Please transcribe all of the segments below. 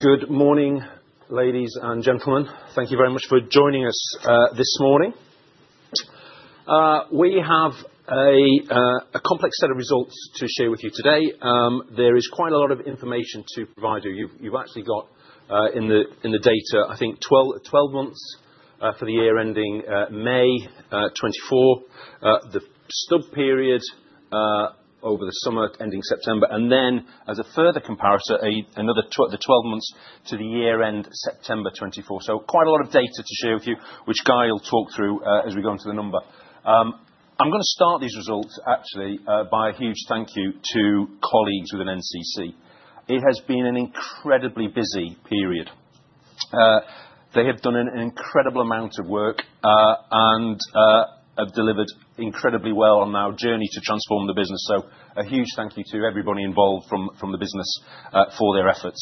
Good morning, ladies and gentlemen. Thank you very much for joining us this morning. We have a complex set of results to share with you today. There is quite a lot of information to provide you. You've actually got in the data, I think, 12 months for the year ending May 2024, the stub period over the summer ending September, and then as a further comparison, another 12 months to the year end September 2024. So quite a lot of data to share with you, which Guy will talk through as we go into the number. I'm going to start these results, actually, by a huge thank you to colleagues within NCC. It has been an incredibly busy period. They have done an incredible amount of work and have delivered incredibly well on our journey to transform the business. A huge thank you to everybody involved from the business for their efforts.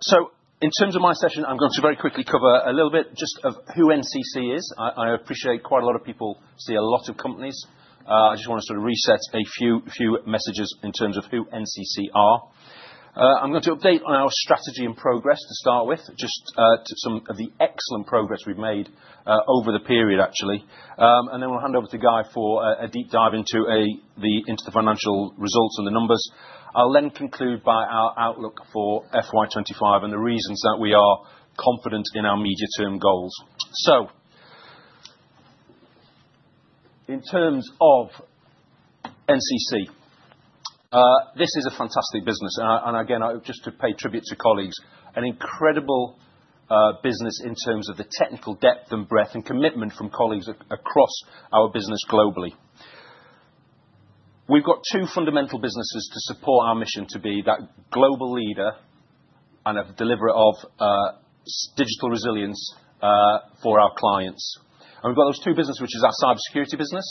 So in terms of my session, I'm going to very quickly cover a little bit just of who NCC is. I appreciate quite a lot of people see a lot of companies. I just want to sort of reset a few messages in terms of who NCC are. I'm going to update on our strategy and progress to start with, just some of the excellent progress we've made over the period, actually. And then we'll hand over to Guy for a deep dive into the financial results and the numbers. I'll then conclude by our outlook for FY 2025 and the reasons that we are confident in our medium-term goals. So in terms of NCC, this is a fantastic business. Again, just to pay tribute to colleagues, an incredible business in terms of the technical depth and breadth and commitment from colleagues across our business globally. We've got two fundamental businesses to support our mission to be that global leader and a deliverer of digital resilience for our clients. We've got those two businesses, which is our cybersecurity business,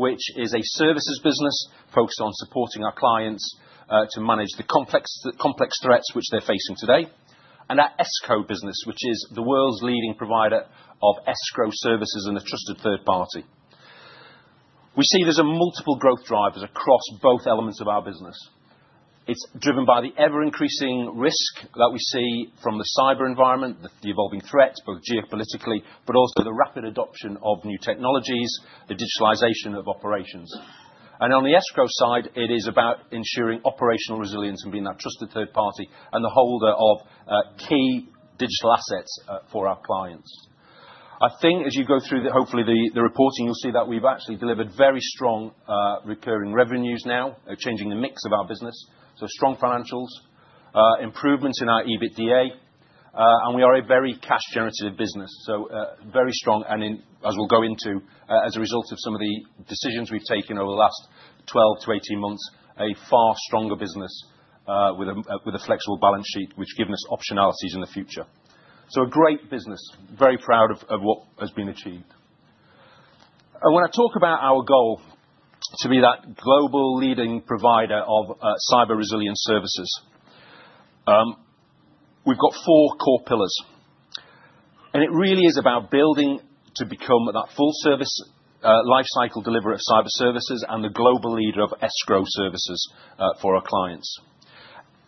which is a services business focused on supporting our clients to manage the complex threats which they're facing today, and our Escode business, which is the world's leading provider of escrow services and a trusted third party. We see there's multiple growth drivers across both elements of our business. It's driven by the ever-increasing risk that we see from the cyber environment, the evolving threats, both geopolitically, but also the rapid adoption of new technologies, the digitalization of operations. On the escrow side, it is about ensuring operational resilience and being that trusted third party and the holder of key digital assets for our clients. I think as you go through, hopefully, the reporting, you'll see that we've actually delivered very strong recurring revenues now, changing the mix of our business. Strong financials, improvements in our EBITDA, and we are a very cash-generative business. Very strong. As we'll go into, as a result of some of the decisions we've taken over the last 12-18 months, a far stronger business with a flexible balance sheet, which gives us optionalities in the future. A great business, very proud of what has been achieved. When I talk about our goal to be that global leading provider of cyber resilience services, we've got four core pillars. It really is about building to become that full-service lifecycle deliverer of cyber services and the global leader of escrow services for our clients.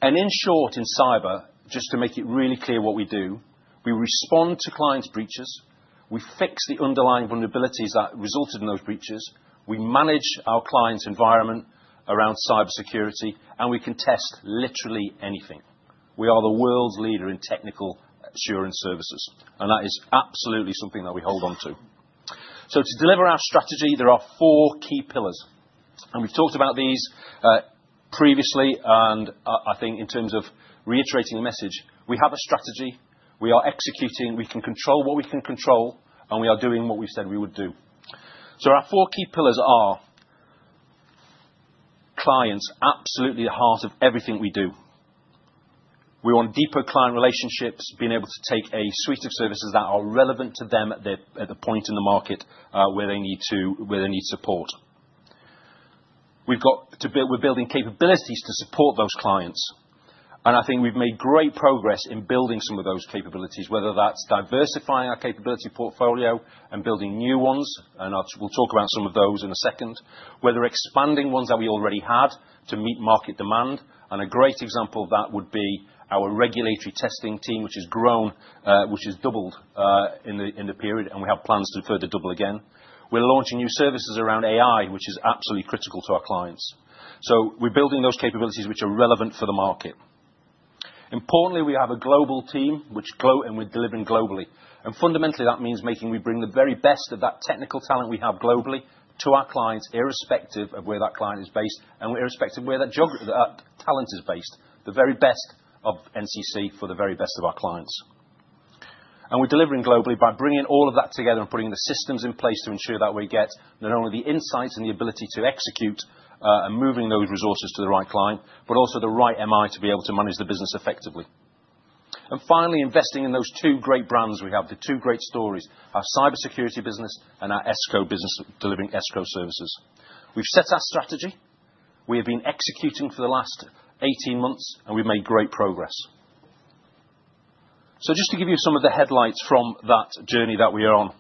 In short, in cyber, just to make it really clear what we do, we respond to clients' breaches, we fix the underlying vulnerabilities that resulted in those breaches, we manage our clients' environment around cybersecurity, and we can test literally anything. We are the world's leader in technical assurance services. That is absolutely something that we hold on to. To deliver our strategy, there are four key pillars. We've talked about these previously. I think in terms of reiterating the message, we have a strategy, we are executing, we can control what we can control, and we are doing what we've said we would do. Our four key pillars are clients, absolutely at the heart of everything we do. We want deeper client relationships, being able to take a suite of services that are relevant to them at the point in the market where they need support. We're building capabilities to support those clients, and I think we've made great progress in building some of those capabilities, whether that's diversifying our capability portfolio and building new ones, and we'll talk about some of those in a second, whether expanding ones that we already had to meet market demand, and a great example of that would be our regulatory testing team, which has grown, which has doubled in the period, and we have plans to further double again. We're launching new services around AI, which is absolutely critical to our clients, so we're building those capabilities which are relevant for the market. Importantly, we have a global team, which we're delivering globally. And fundamentally, that means making we bring the very best of that technical talent we have globally to our clients, irrespective of where that client is based and irrespective of where that talent is based, the very best of NCC for the very best of our clients. And we're delivering globally by bringing all of that together and putting the systems in place to ensure that we get not only the insights and the ability to execute and move those resources to the right client, but also the right MI to be able to manage the business effectively. And finally, investing in those two great brands we have, the two great stories, our cybersecurity business and our Escode business delivering Escode services. We've set our strategy. We have been executing for the last 18 months, and we've made great progress. Just to give you some of the highlights from that journey that we are on,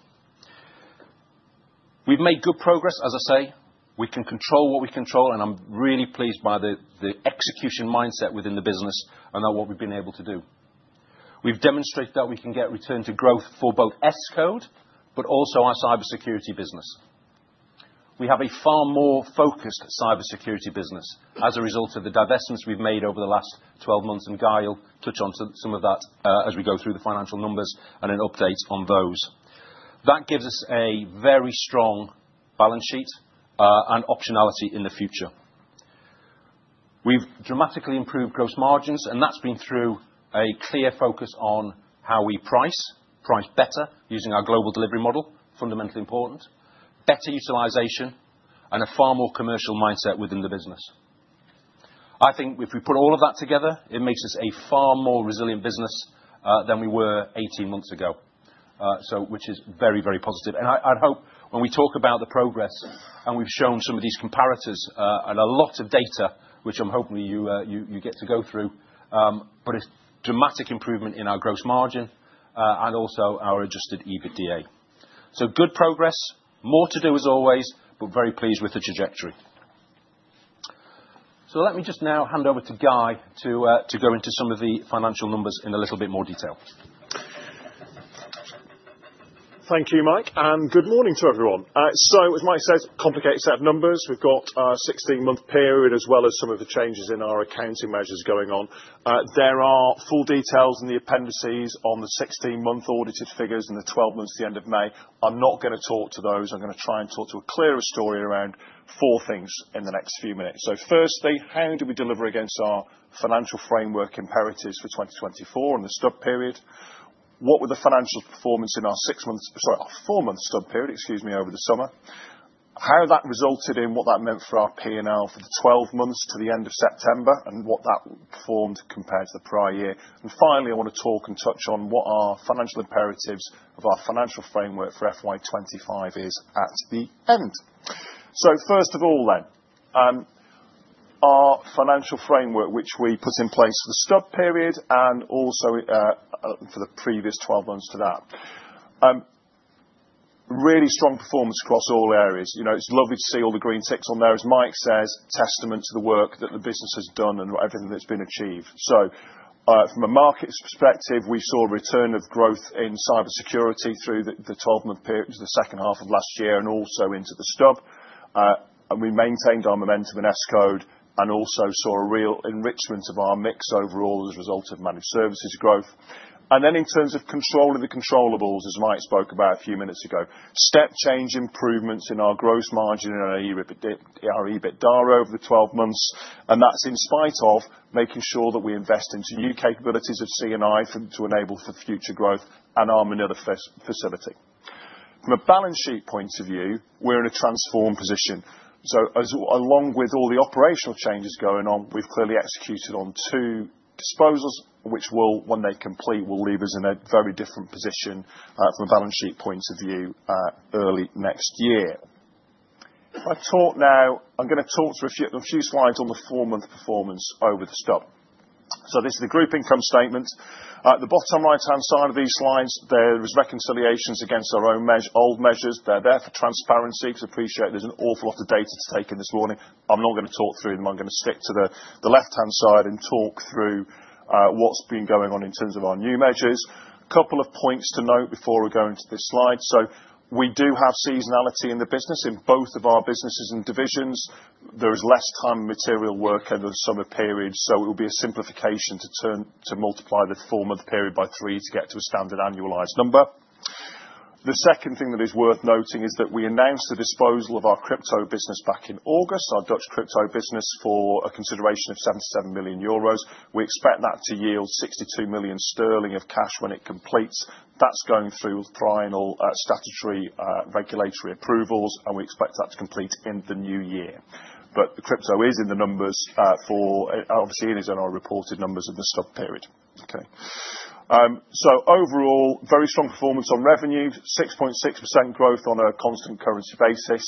we've made good progress, as I say. We can control what we control, and I'm really pleased by the execution mindset within the business and what we've been able to do. We've demonstrated that we can get return to growth for both Escode, but also our cybersecurity business. We have a far more focused cybersecurity business as a result of the divestments we've made over the last 12 months. And Guy will touch on some of that as we go through the financial numbers and an update on those. That gives us a very strong balance sheet and optionality in the future. We've dramatically improved gross margins, and that's been through a clear focus on how we price, price better using our global delivery model, fundamentally important, better utilization, and a far more commercial mindset within the business. I think if we put all of that together, it makes us a far more resilient business than we were 18 months ago, which is very, very positive. And I hope when we talk about the progress and we've shown some of these comparators and a lot of data, which I'm hoping you get to go through, but a dramatic improvement in our gross margin and also our Adjusted EBITDA. So good progress, more to do as always, but very pleased with the trajectory. So let me just now hand over to Guy to go into some of the financial numbers in a little bit more detail. Thank you, Mike, and good morning to everyone. So, as Mike says, complicated set of numbers. We've got a 16-month period as well as some of the changes in our accounting measures going on. There are full details in the appendices on the 16-month audited figures and the 12 months to the end of May. I'm not going to talk to those. I'm going to try and talk to a clearer story around four things in the next few minutes. So, firstly, how did we deliver against our financial framework imperatives for 2024 and the stub period? What were the financial performance in our six-month, sorry, our four-month stub period, excuse me, over the summer? How that resulted in what that meant for our P&L for the 12 months to the end of September and what that performed compared to the prior year. And finally, I want to talk and touch on what our financial imperatives of our financial framework for FY '25 is at the end. So first of all, then, our financial framework, which we put in place for the stub period and also for the previous 12 months to that. Really strong performance across all areas. It's lovely to see all the green ticks on there, as Mike says, testament to the work that the business has done and everything that's been achieved. So from a market perspective, we saw a return of growth in cybersecurity through the 12-month period to the second half of last year and also into the stub. And we maintained our momentum in Escode and also saw a real enrichment of our mix overall as a result of managed services growth. And then in terms of control of the controllables, as Mike spoke about a few minutes ago, step change improvements in our gross margin and our EBITDA over the 12 months. And that's in spite of making sure that we invest into new capabilities of CNI to enable for future growth and our Manila facility. From a balance sheet point of view, we're in a transformed position. So along with all the operational changes going on, we've clearly executed on two disposals, which will, when they complete, will leave us in a very different position from a balance sheet point of view early next year. If I talk now, I'm going to talk through a few slides on the four-month performance over the stub. So this is the group income statement. At the bottom right-hand side of these slides, there are reconciliations against our old measures. They're there for transparency because I appreciate there's an awful lot of data to take in this morning. I'm not going to talk through them. I'm going to stick to the left-hand side and talk through what's been going on in terms of our new measures. A couple of points to note before we go into this slide. So we do have seasonality in the business. In both of our businesses and divisions, there is less time and material work over the summer period. So it will be a simplification to multiply the four-month period by three to get to a standard annualized number. The second thing that is worth noting is that we announced the disposal of our crypto business back in August, our Dutch crypto business for a consideration of 77 million euros. We expect that to yield 62 million sterling of cash when it completes. That's going through final statutory regulatory approvals, and we expect that to complete in the new year, but crypto is in the numbers for, obviously, it is in our reported numbers of the stub period. Okay, so overall, very strong performance on revenue, 6.6% growth on a constant currency basis.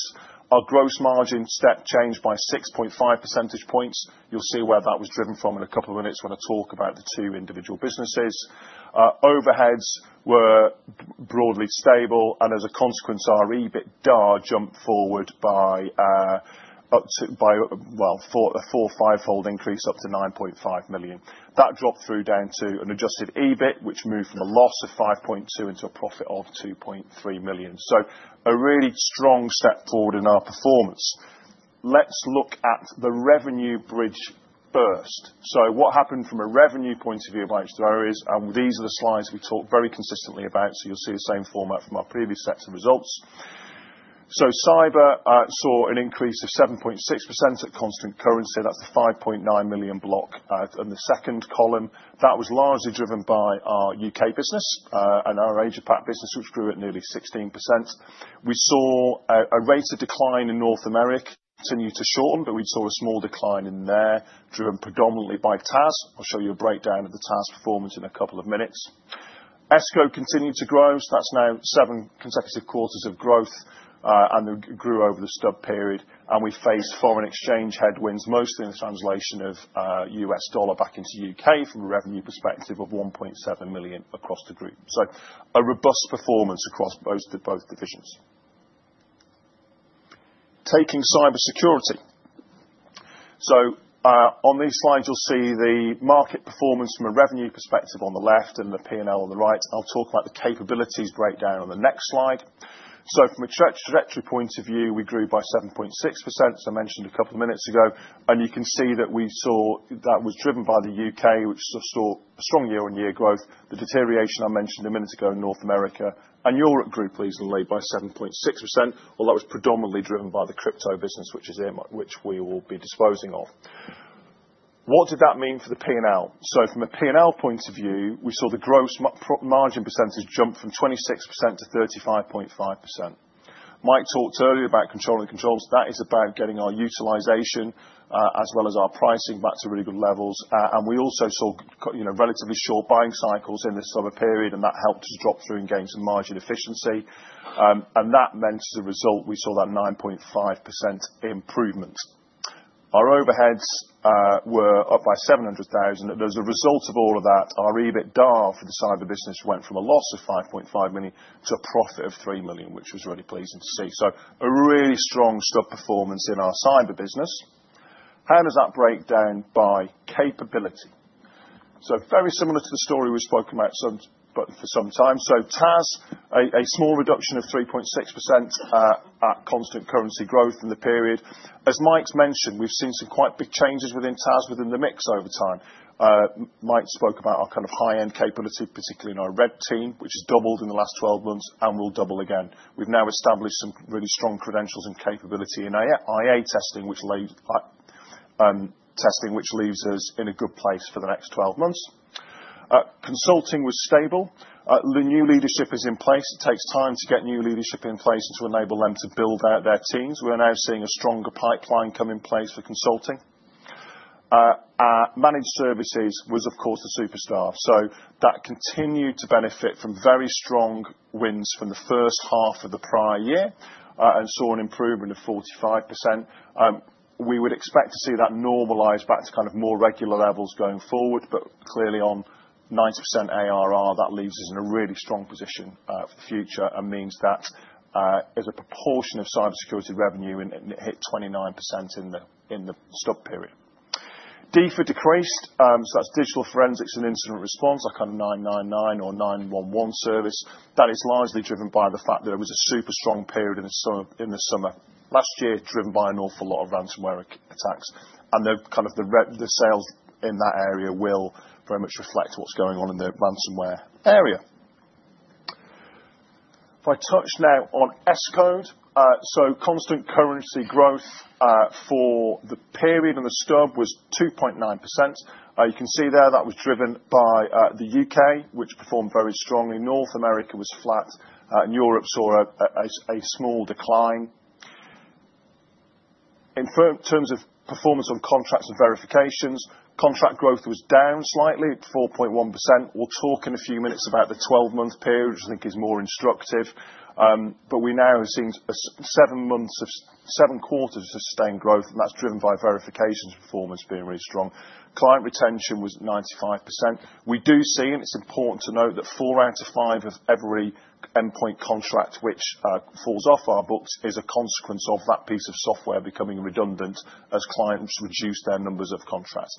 Our gross margin step changed by 6.5 percentage points. You'll see where that was driven from in a couple of minutes when I talk about the two individual businesses. Overheads were broadly stable, and as a consequence, our EBITDA jumped forward by, well, a four-five-fold increase up to 9.5 million. That dropped through down to an adjusted EBIT, which moved from a loss of 5.2 million into a profit of 2.3 million, so a really strong step forward in our performance. Let's look at the revenue bridge first. So what happened from a revenue point of view of IPR is, and these are the slides we talk very consistently about, so you'll see the same format from our previous sets of results. So cyber saw an increase of 7.6% at constant currency. That's a £5.9 million block. And the second column, that was largely driven by our UK business and our Asia-Pac business, which grew at nearly 16%. We saw a rate of decline in North America continue to shorten, but we saw a small decline in there, driven predominantly by TAS. I'll show you a breakdown of the TAS performance in a couple of minutes. Escode continued to grow. So that's now seven consecutive quarters of growth, and it grew over the stub period. And we faced foreign exchange headwinds, mostly in the translation of US dollar back into UK from a revenue perspective of 1.7 million across the group. So a robust performance across both divisions. Taking cybersecurity. So on these slides, you'll see the market performance from a revenue perspective on the left and the P&L on the right. I'll talk about the capabilities breakdown on the next slide. So from a trajectory point of view, we grew by 7.6%, as I mentioned a couple of minutes ago. And you can see that we saw that was driven by the UK, which saw strong year-on-year growth. The deterioration I mentioned a minute ago in North America. And Europe grew and led by 7.6%. That was predominantly driven by the crypto business, which we will be disposing of. What did that mean for the P&L? From a P&L point of view, we saw the gross margin percentage jump from 26%-35.5%. Mike talked earlier about controlling controls. That is about getting our utilization as well as our pricing back to really good levels. We also saw relatively short buying cycles in the summer period, and that helped us drop through and gain some margin efficiency. That meant, as a result, we saw that 9.5% improvement. Our overheads were up by 700,000. As a result of all of that, our EBITDA for the cyber business went from a loss of 5.5 million to a profit of 3 million, which was really pleasing to see. A really strong stub performance in our cyber business. There's that breakdown by capability. Very similar to the story we've spoken about for some time. So, TAS, a small reduction of 3.6% at constant currency growth in the period. As Mike's mentioned, we've seen some quite big changes within TAS within the mix over time. Mike spoke about our kind of high-end capability, particularly in our red team, which has doubled in the last 12 months and will double again. We've now established some really strong credentials and capability in IA testing, which leaves us in a good place for the next 12 months. Consulting was stable. The new leadership is in place. It takes time to get new leadership in place and to enable them to build out their teams. We're now seeing a stronger pipeline come in place for consulting. Managed services was, of course, the superstar. So that continued to benefit from very strong wins from the first half of the prior year and saw an improvement of 45%. We would expect to see that normalize back to kind of more regular levels going forward, but clearly on 90% ARR, that leaves us in a really strong position for the future and means that as a proportion of cybersecurity revenue, it hit 29% in the stub period. DFIR decreased. So that's digital forensics and incident response, that kind of 999 or 911 service. That is largely driven by the fact that it was a super strong period in the summer last year, driven by an awful lot of ransomware attacks. And kind of the sales in that area will very much reflect what's going on in the ransomware area. If I touch now on Escode, so constant currency growth for the period and the stub was 2.9%. You can see there that was driven by the U.K., which performed very strongly. North America was flat, and Europe saw a small decline. In terms of performance on contracts and verifications, contract growth was down slightly at 4.1%. We'll talk in a few minutes about the 12-month period, which I think is more instructive. But we now have seen seven quarters of sustained growth, and that's driven by verifications performance being really strong. Client retention was 95%. We do see, and it's important to note that four out of five of every endpoint contract, which falls off our books, is a consequence of that piece of software becoming redundant as clients reduce their numbers of contracts.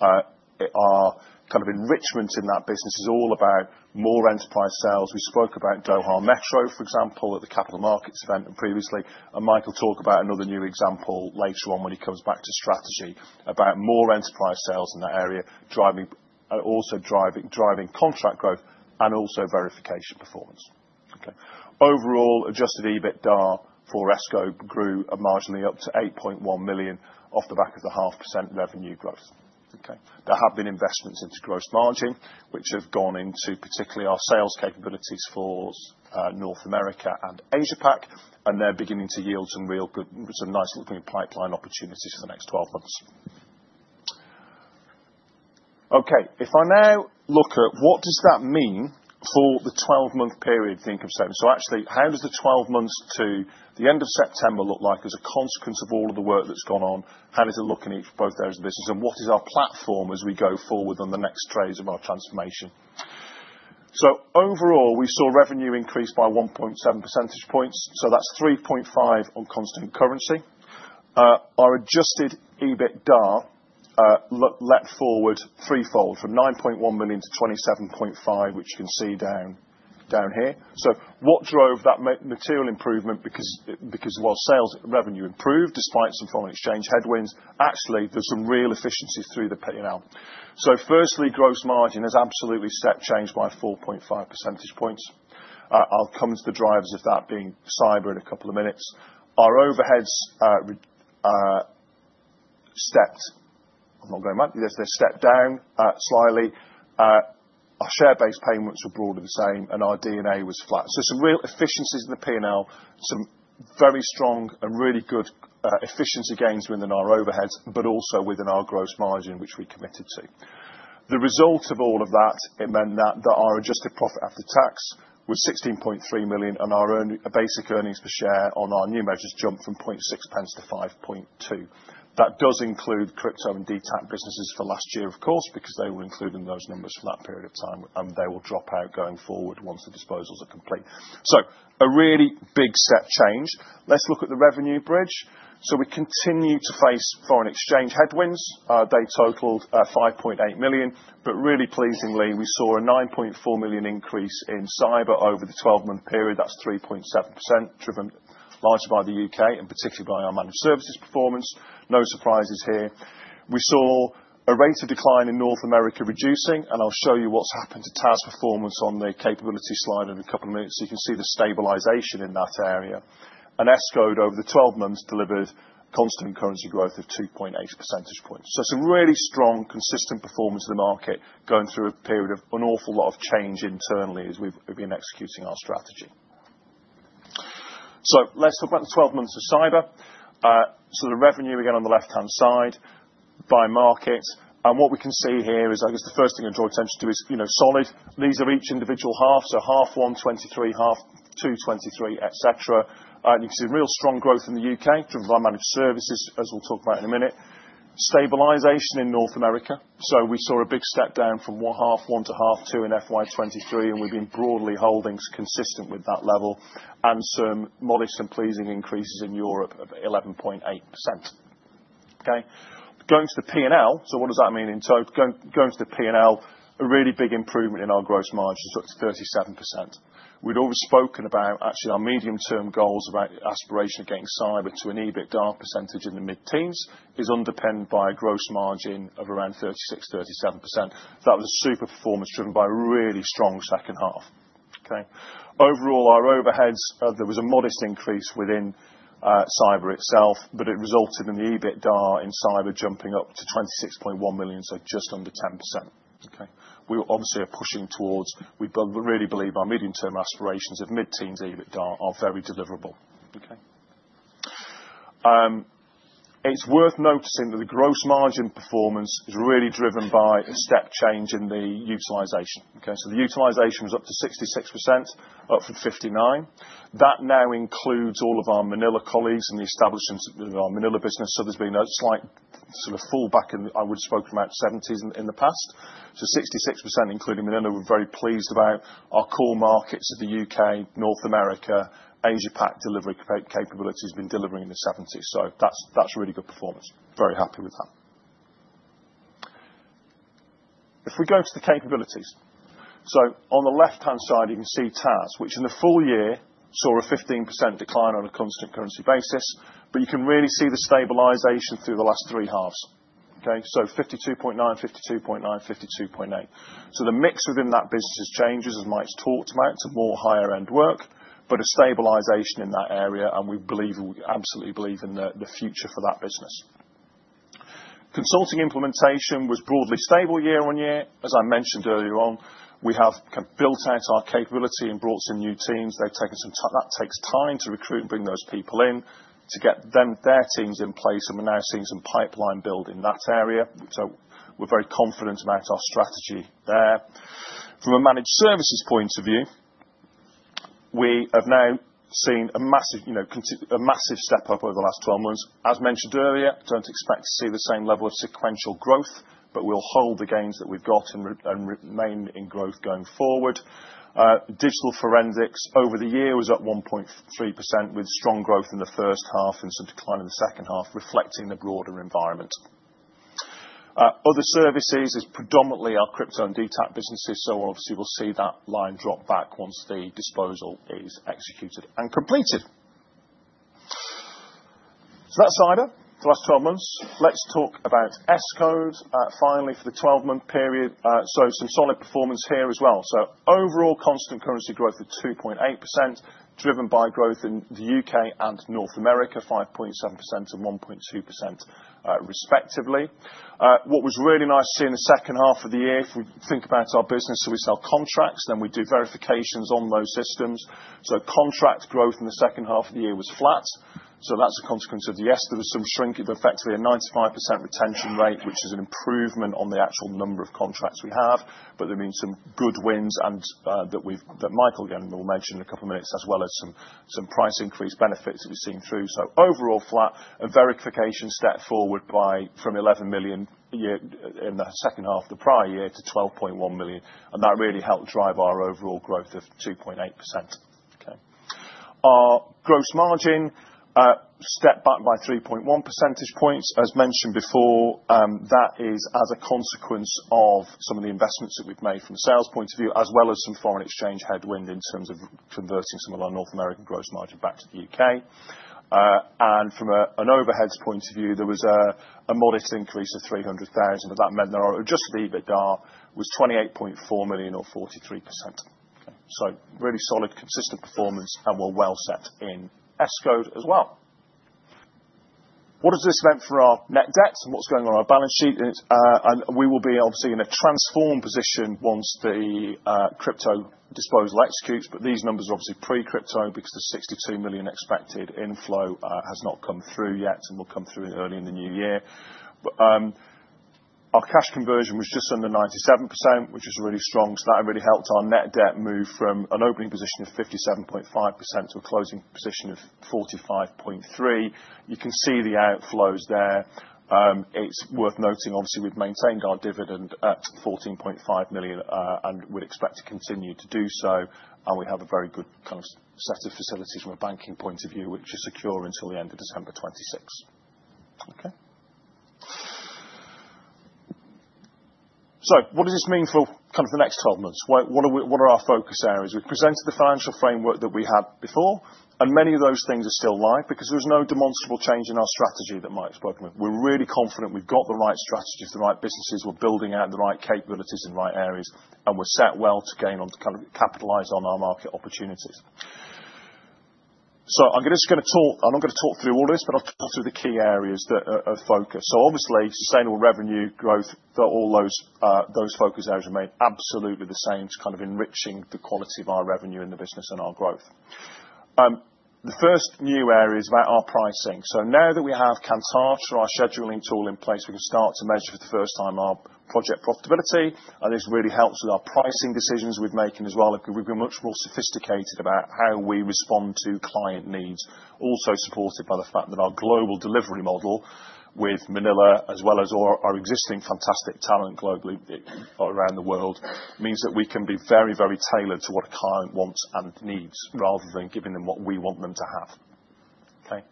Our kind of enrichment in that business is all about more enterprise sales. We spoke about Doha Metro, for example, at the Capital Markets event previously. Mike will talk about another new example later on when he comes back to strategy about more enterprise sales in that area, also driving contract growth and also verification performance. Okay. Overall, Adjusted EBITDA for Escode grew marginally up to 8.1 million off the back of the 0.5% revenue growth. Okay. There have been investments into gross margin, which have gone into particularly our sales capabilities for North America and Asia-Pac, and they're beginning to yield some nice-looking pipeline opportunities for the next 12 months. Okay. If I now look at what does that mean for the 12-month period, think of saying. So actually, how does the 12 months to the end of September look like as a consequence of all of the work that's gone on? How does it look in both areas of the business? What is our platform as we go forward on the next phase of our transformation? Overall, we saw revenue increase by 1.7 percentage points. That's 3.5% on constant currency. Our Adjusted EBITDA grew threefold from 9.1 million to 27.5 million, which you can see down here. What drove that material improvement? Because while sales revenue improved despite some foreign exchange headwinds, actually, there's some real efficiency through the P&L. Firstly, gross margin has absolutely step changed by 4.5 percentage points. I'll come into the drivers of that being cyber in a couple of minutes. Our overheads stepped. I'm not going back. They stepped down slightly. Our share-based payments were broadly the same, and our D&A was flat. Some real efficiencies in the P&L, some very strong and really good efficiency gains within our overheads, but also within our gross margin, which we committed to. The result of all of that, it meant that our adjusted profit after tax was 16.3 million, and our basic earnings per share on our new measures jumped from 0.006 to 0.052. That does include crypto and DetACT businesses for last year, of course, because they will include in those numbers for that period of time, and they will drop out going forward once the disposals are complete. So a really big step change. Let's look at the revenue bridge. So we continue to face foreign exchange headwinds. They totaled 5.8 million. But really pleasingly, we saw a 9.4 million increase in cyber over the 12-month period. That's 3.7%, driven largely by the UK and particularly by our managed services performance. No surprises here. We saw a rate of decline in North America reducing, and I'll show you what's happened to TAS performance on the capability slide in a couple of minutes. So you can see the stabilization in that area. And Escode, over the 12 months, delivered constant currency growth of 2.8 percentage points. So it's a really strong, consistent performance of the market going through a period of an awful lot of change internally as we've been executing our strategy. So let's talk about the 12 months of cyber. So the revenue again on the left-hand side by markets. And what we can see here is, I guess the first thing I draw attention to is solid. These are each individual halves. So half one 2023, half two 2023, etc. You can see real strong growth in the UK, driven by managed services, as we'll talk about in a minute. Stabilization in North America. So we saw a big step down from half one to half two in FY23, and we've been broadly holding consistent with that level. And some modest and pleasing increases in Europe of 11.8%. Okay. Going to the P&L. So what does that mean in total? Going to the P&L, a really big improvement in our gross margin, so it's 37%. We'd always spoken about, actually, our medium-term goals about aspiration of getting cyber to an EBITDA percentage in the mid-teens is underpinned by a gross margin of around 36%-37%. That was a super performance driven by a really strong second half. Okay. Overall, our overheads, there was a modest increase within cyber itself, but it resulted in the EBITDA in cyber jumping up to 26.1 million, so just under 10%. Okay. We obviously are pushing towards, we really believe our medium-term aspirations of mid-teens EBITDA are very deliverable. Okay. It's worth noticing that the gross margin performance is really driven by a step change in the utilization. Okay. So the utilization was up to 66%, up from 59%. That now includes all of our Manila colleagues and the establishments of our Manila business. So there's been a slight sort of fallback in the, I would have spoken about 70s in the past. So 66%, including Manila, we're very pleased about. Our core markets of the UK, North America, Asia-Pac delivery capability has been delivering in the 70s. So that's really good performance. Very happy with that. If we go to the capabilities. So on the left-hand side, you can see TAS, which in the full year saw a 15% decline on a constant currency basis, but you can really see the stabilization through the last three halves. Okay. So 52.9, 52.9, 52.8. So the mix within that business has changed as Mike's talked about to more higher-end work, but a stabilization in that area, and we absolutely believe in the future for that business. Consulting implementation was broadly stable year on year. As I mentioned earlier on, we have built out our capability and brought some new teams. That takes time to recruit and bring those people in to get their teams in place, and we're now seeing some pipeline build in that area. So we're very confident about our strategy there. From a managed services point of view, we have now seen a massive step up over the last 12 months. As mentioned earlier, don't expect to see the same level of sequential growth, but we'll hold the gains that we've got and remain in growth going forward. Digital forensics over the year was up 1.3% with strong growth in the first half and some decline in the second half, reflecting the broader environment. Other services is predominantly our crypto and DetACT businesses, so obviously we'll see that line drop back once the disposal is executed and completed. So that's cyber for the last 12 months. Let's talk about Escode finally for the 12-month period. So some solid performance here as well. So overall constant currency growth of 2.8%, driven by growth in the U.K. and North America, 5.7% and 1.2% respectively. What was really nice to see in the second half of the year, if we think about our business, so we sell contracts, then we do verifications on those systems. So contract growth in the second half of the year was flat. So that's a consequence of, yes, there was some shrink, but effectively a 95% retention rate, which is an improvement on the actual number of contracts we have, but there have been some good wins that Mike will mention in a couple of minutes, as well as some price increase benefits that we've seen through. So overall flat, and verification stepped forward from 11 million in the second half of the prior year to 12.1 million, and that really helped drive our overall growth of 2.8%. Okay. Our gross margin stepped back by 3.1 percentage points. As mentioned before, that is as a consequence of some of the investments that we've made from a sales point of view, as well as some foreign exchange headwind in terms of converting some of our North American gross margin back to the U.K. And from an overheads point of view, there was a modest increase of 300,000. That meant that our adjusted EBITDA was 28.4 million or 43%. So really solid, consistent performance, and we're well set in Escode as well. What does this mean for our net debt and what's going on on our balance sheet? We will be obviously in a transform position once the crypto disposal executes, but these numbers are obviously pre-crypto because the 62 million expected inflow has not come through yet and will come through early in the new year. Our cash conversion was just under 97%, which is really strong. So that really helped our net debt move from an opening position of 57.5% to a closing position of 45.3%. You can see the outflows there. It's worth noting, obviously, we've maintained our dividend at 14.5 million and would expect to continue to do so. And we have a very good kind of set of facilities from a banking point of view, which are secure until the end of December 2026. Okay. So what does this mean for kind of the next 12 months? What are our focus areas? We've presented the financial framework that we had before, and many of those things are still live because there's no demonstrable change in our strategy that Mike's spoken about. We're really confident we've got the right strategy for the right businesses. We're building out the right capabilities in the right areas, and we're set well to gain on to kind of capitalize on our market opportunities. So I'm just going to talk. I'm not going to talk through all this, but I'll talk through the key areas of focus. So obviously, sustainable revenue growth, all those focus areas remain absolutely the same to kind of enriching the quality of our revenue in the business and our growth. The first new area is about our pricing. So now that we have Kantata, our scheduling tool in place, we can start to measure for the first time our project profitability. And this really helps with our pricing decisions we've made as well. We've been much more sophisticated about how we respond to client needs, also supported by the fact that our global delivery model with Manila, as well as our existing fantastic talent around the world, means that we can be very, very tailored to what a client wants and needs, rather than giving them what we want them to have. Okay.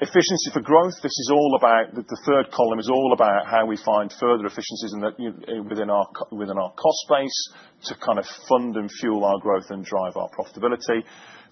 Efficiency for growth, this is all about the third column is all about how we find further efficiencies within our cost base to kind of fund and fuel our growth and drive our profitability.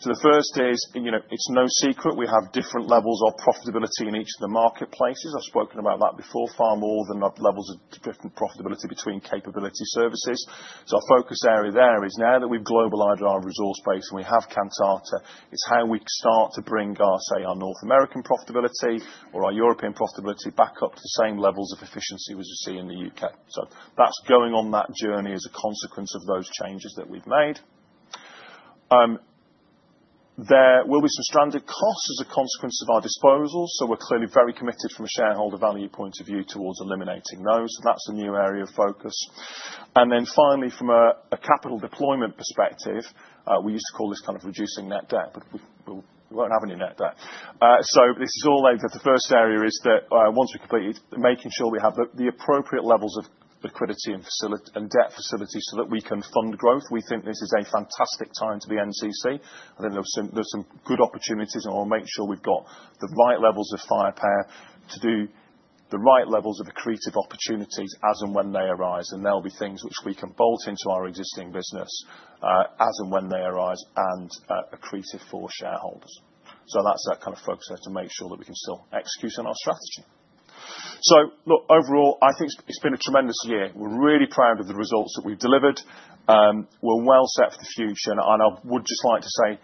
So the first is, it's no secret we have different levels of profitability in each of the marketplaces. I've spoken about that before, far more than levels of different profitability between capability services. Our focus area there is now that we've globalized our resource base and we have Kantata, it's how we start to bring our, say, our North American profitability or our European profitability back up to the same levels of efficiency we see in the UK. So that's going on that journey as a consequence of those changes that we've made. There will be some stranded costs as a consequence of our disposals. So we're clearly very committed from a shareholder value point of view towards eliminating those. That's a new area of focus. And then finally, from a capital deployment perspective, we used to call this kind of reducing net debt, but we won't have any net debt. So this is all over. The first area is that once we complete it, making sure we have the appropriate levels of liquidity and debt facility so that we can fund growth. We think this is a fantastic time to be NCC. I think there's some good opportunities, and we'll make sure we've got the right levels of firepower to do the right levels of accretive opportunities as and when they arise. And there'll be things which we can bolt into our existing business as and when they arise and accretive for shareholders. So that's our kind of focus to make sure that we can still execute on our strategy. So look, overall, I think it's been a tremendous year. We're really proud of the results that we've delivered. We're well set for the future. And I would just like to say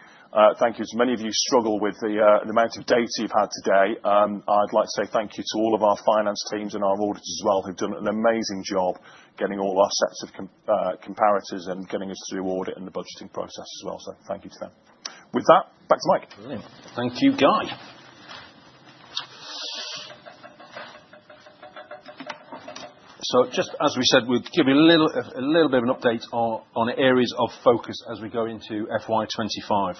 thank you. As many of you struggle with the amount of data you've had today, I'd like to say thank you to all of our finance teams and our auditors as well who've done an amazing job getting all of our sets of comparators and getting us through audit and the budgeting process as well. So thank you to them. With that, back to Mike. Brilliant. Thank you, Guy. So just as we said, we'll give you a little bit of an update on areas of focus as we go into FY25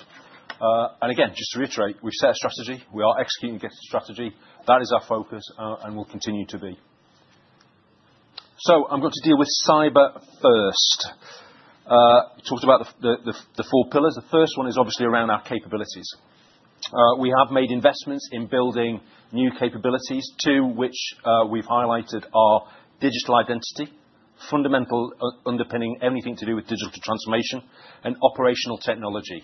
and again, just to reiterate, we've set a strategy. We are executing against a strategy. That is our focus, and we'll continue to be. So I'm going to deal with cyber first. Talked about the four pillars. The first one is obviously around our capabilities. We have made investments in building new capabilities. Two, which we've highlighted, are digital identity, fundamental underpinning anything to do with digital transformation, and operational technology.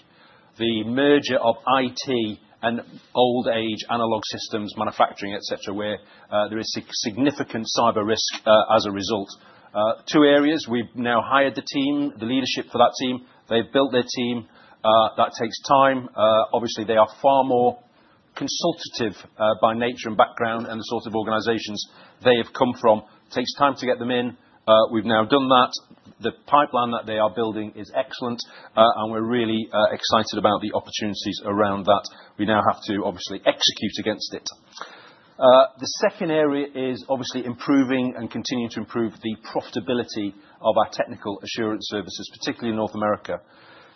The merger of IT and old-age analog systems, manufacturing, etc., where there is significant cyber risk as a result. Two areas. We've now hired the team, the leadership for that team. They've built their team. That takes time. Obviously, they are far more consultative by nature and background and the sort of organizations they have come from. Takes time to get them in. We've now done that. The pipeline that they are building is excellent, and we're really excited about the opportunities around that. We now have to obviously execute against it. The second area is obviously improving and continuing to improve the profitability of our technical assurance services, particularly in North America.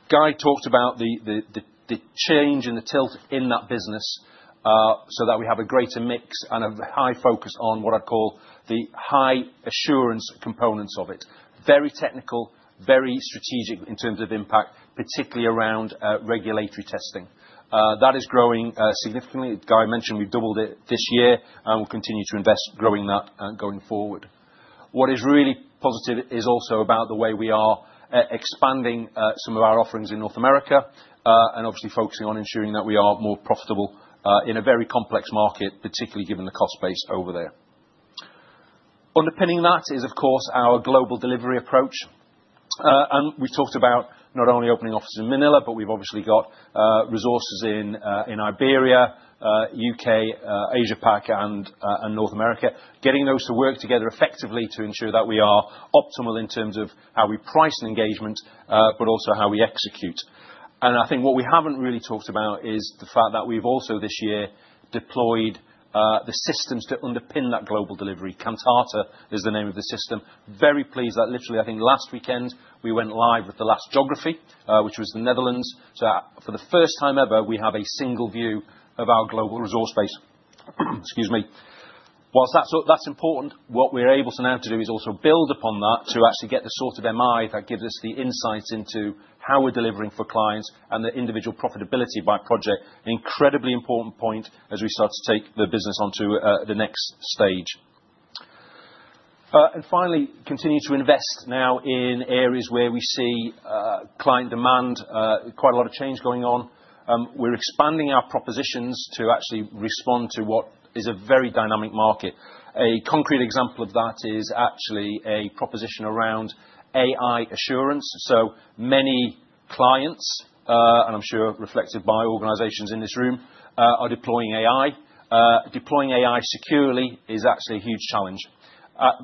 Guy talked about the change and the tilt in that business so that we have a greater mix and a high focus on what I'd call the high assurance components of it. Very technical, very strategic in terms of impact, particularly around regulatory testing. That is growing significantly. Guy mentioned we've doubled it this year, and we'll continue to invest growing that going forward. What is really positive is also about the way we are expanding some of our offerings in North America and obviously focusing on ensuring that we are more profitable in a very complex market, particularly given the cost base over there. Underpinning that is, of course, our global delivery approach. We talked about not only opening offices in Manila, but we've obviously got resources in Iberia, UK, Asia-Pac, and North America, getting those to work together effectively to ensure that we are optimal in terms of how we price and engagement, but also how we execute. I think what we haven't really talked about is the fact that we've also this year deployed the systems to underpin that global delivery. Kantata is the name of the system. Very pleased that literally, I think last weekend, we went live with the last geography, which was the Netherlands. For the first time ever, we have a single view of our global resource base. Excuse me. While that's important, what we're able to now do is also build upon that to actually get the sort of MI that gives us the insights into how we're delivering for clients and the individual profitability by project. An incredibly important point as we start to take the business onto the next stage. Finally, continue to invest now in areas where we see client demand, quite a lot of change going on. We're expanding our propositions to actually respond to what is a very dynamic market. A concrete example of that is actually a proposition around AI Assurance. Many clients, and I'm sure reflected by organizations in this room, are deploying AI. Deploying AI securely is actually a huge challenge.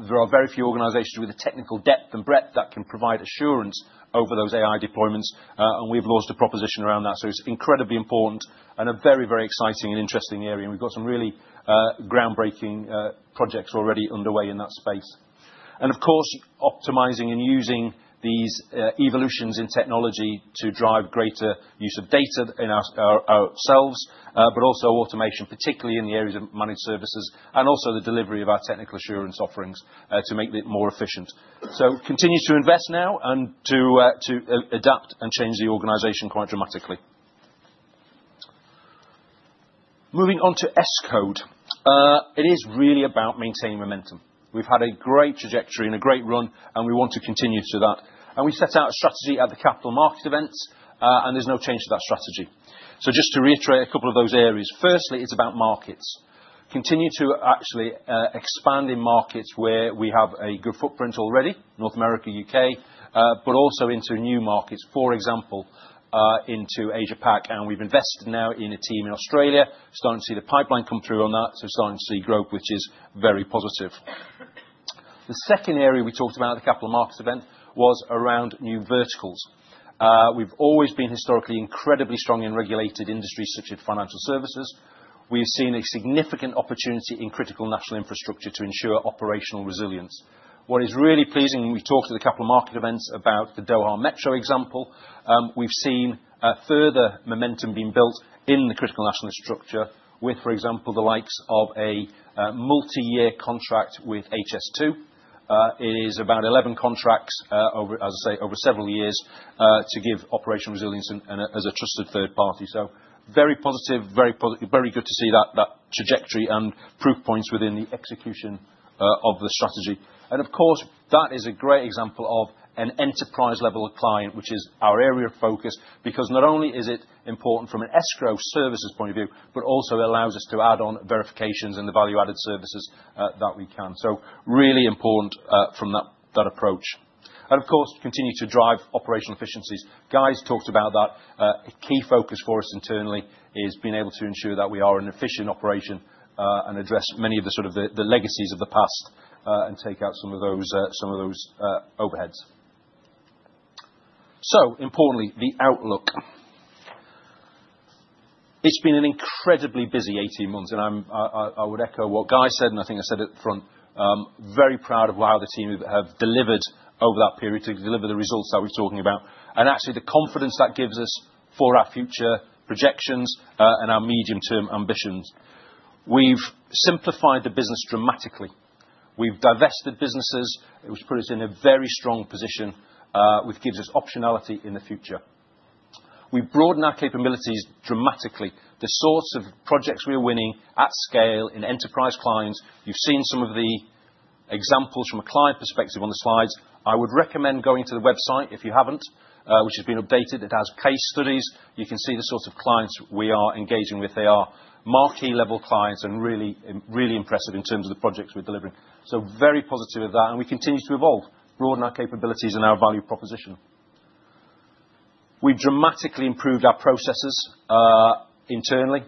There are very few organizations with the technical depth and breadth that can provide assurance over those AI deployments, and we've launched a proposition around that. So it's incredibly important and a very, very exciting and interesting area. And we've got some really groundbreaking projects already underway in that space. And of course, optimizing and using these evolutions in technology to drive greater use of data in ourselves, but also automation, particularly in the areas of managed services and also the delivery of our technical assurance offerings to make it more efficient. So continue to invest now and to adapt and change the organization quite dramatically. Moving on to Escode, it is really about maintaining momentum. We've had a great trajectory and a great run, and we want to continue to that. And we set out a strategy at the capital market events, and there's no change to that strategy. So just to reiterate a couple of those areas. Firstly, it's about markets. Continue to actually expand in markets where we have a good footprint already, North America, U.K., but also into new markets, for example, into Asia-Pac. And we've invested now in a team in Australia. Starting to see the pipeline come through on that. So starting to see growth, which is very positive. The second area we talked about at the capital markets event was around new verticals. We've always been historically incredibly strong in regulated industries such as financial services. We've seen a significant opportunity in critical national infrastructure to ensure operational resilience. What is really pleasing, we talked at a couple of market events about the Doha Metro example. We've seen further momentum being built in the critical national infrastructure with, for example, the likes of a multi-year contract with HS2. It is about 11 contracts, as I say, over several years to give operational resilience as a trusted third party, so very positive, very good to see that trajectory and proof points within the execution of the strategy, and of course, that is a great example of an enterprise-level client, which is our area of focus, because not only is it important from an escrow services point of view, but also it allows us to add on verifications and the value-added services that we can, so really important from that approach, and of course, continue to drive operational efficiencies. Guys talked about that. A key focus for us internally is being able to ensure that we are an efficient operation and address many of the sort of legacies of the past and take out some of those overheads, so importantly, the outlook. It's been an incredibly busy 18 months, and I would echo what Guy said, and I think I said it upfront. Very proud of how the team have delivered over that period to deliver the results that we're talking about and actually the confidence that gives us for our future projections and our medium-term ambitions. We've simplified the business dramatically. We've divested businesses, which puts us in a very strong position, which gives us optionality in the future. We've broadened our capabilities dramatically. The sorts of projects we are winning at scale in enterprise clients. You've seen some of the examples from a client perspective on the slides. I would recommend going to the website if you haven't, which has been updated. It has case studies. You can see the sorts of clients we are engaging with. They are marquee-level clients and really impressive in terms of the projects we're delivering. So very positive of that. And we continue to evolve, broaden our capabilities and our value proposition. We've dramatically improved our processes internally.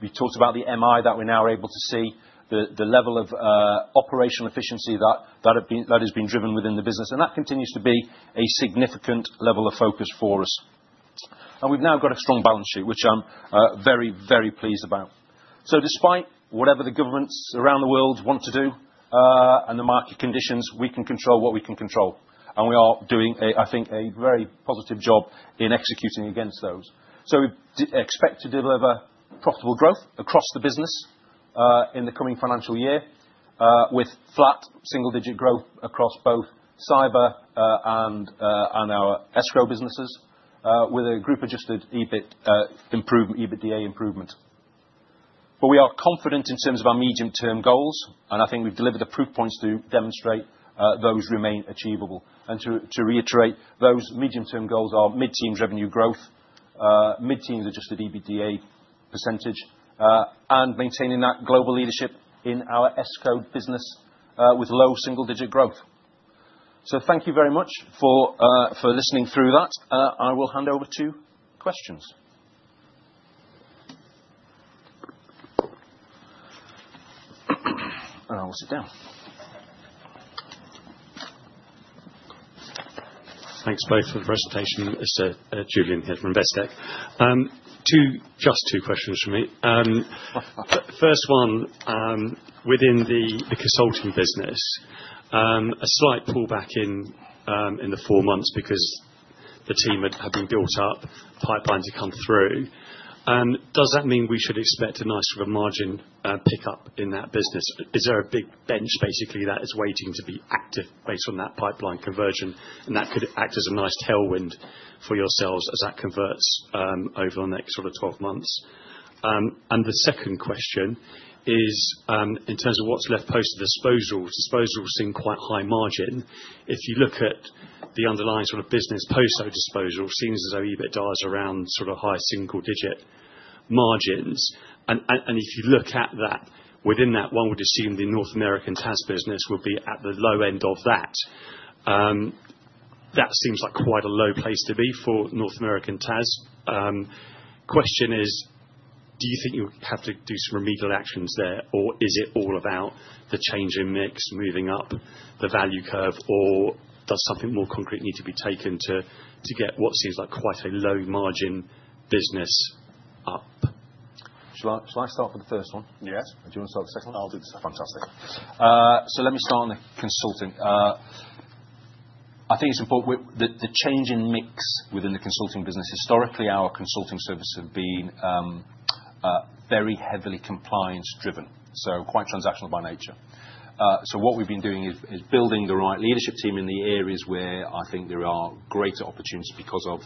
We talked about the MI that we're now able to see, the level of operational efficiency that has been driven within the business. And that continues to be a significant level of focus for us. And we've now got a strong balance sheet, which I'm very, very pleased about. So despite whatever the governments around the world want to do and the market conditions, we can control what we can control. And we are doing, I think, a very positive job in executing against those. We expect to deliver profitable growth across the business in the coming financial year with flat single-digit growth across both cyber and our escrow businesses with a group-adjusted EBIT improvement, EBITDA improvement. We are confident in terms of our medium-term goals, and I think we've delivered the proof points to demonstrate those remain achievable. To reiterate, those medium-term goals are mid-teens revenue growth, mid-teens adjusted EBITDA percentage, and maintaining that global leadership in our escrow business with low single-digit growth. Thank you very much for listening through that. I will hand over to questions. I will sit down. Thanks, both, for the presentation. This is Julian here from Investec. Just two questions for me. First one, within the consulting business, a slight pullback in the four months because the team had been built up, pipelines have come through. Does that mean we should expect a nice sort of margin pickup in that business? Is there a big bench basically that is waiting to be active based on that pipeline conversion? And that could act as a nice tailwind for yourselves as that converts over the next sort of 12 months. And the second question is in terms of what's left post-disposal. Disposal seemed quite high margin. If you look at the underlying sort of business post-disposal, it seems as though EBITDA is around sort of high single-digit margins. And if you look at that, within that, one would assume the North American TAS business will be at the low end of that. That seems like quite a low place to be for North American TAS. Question is, do you think you have to do some remedial actions there, or is it all about the change in mix moving up the value curve, or does something more concrete need to be taken to get what seems like quite a low margin business up? Shall I start with the first one? Yes. Do you want to start with the second one? I'll do the second one. Fantastic. So let me start on the consulting. I think it's important the change in mix within the consulting business. Historically, our consulting services have been very heavily compliance-driven, so quite transactional by nature. So what we've been doing is building the right leadership team in the areas where I think there are greater opportunities because of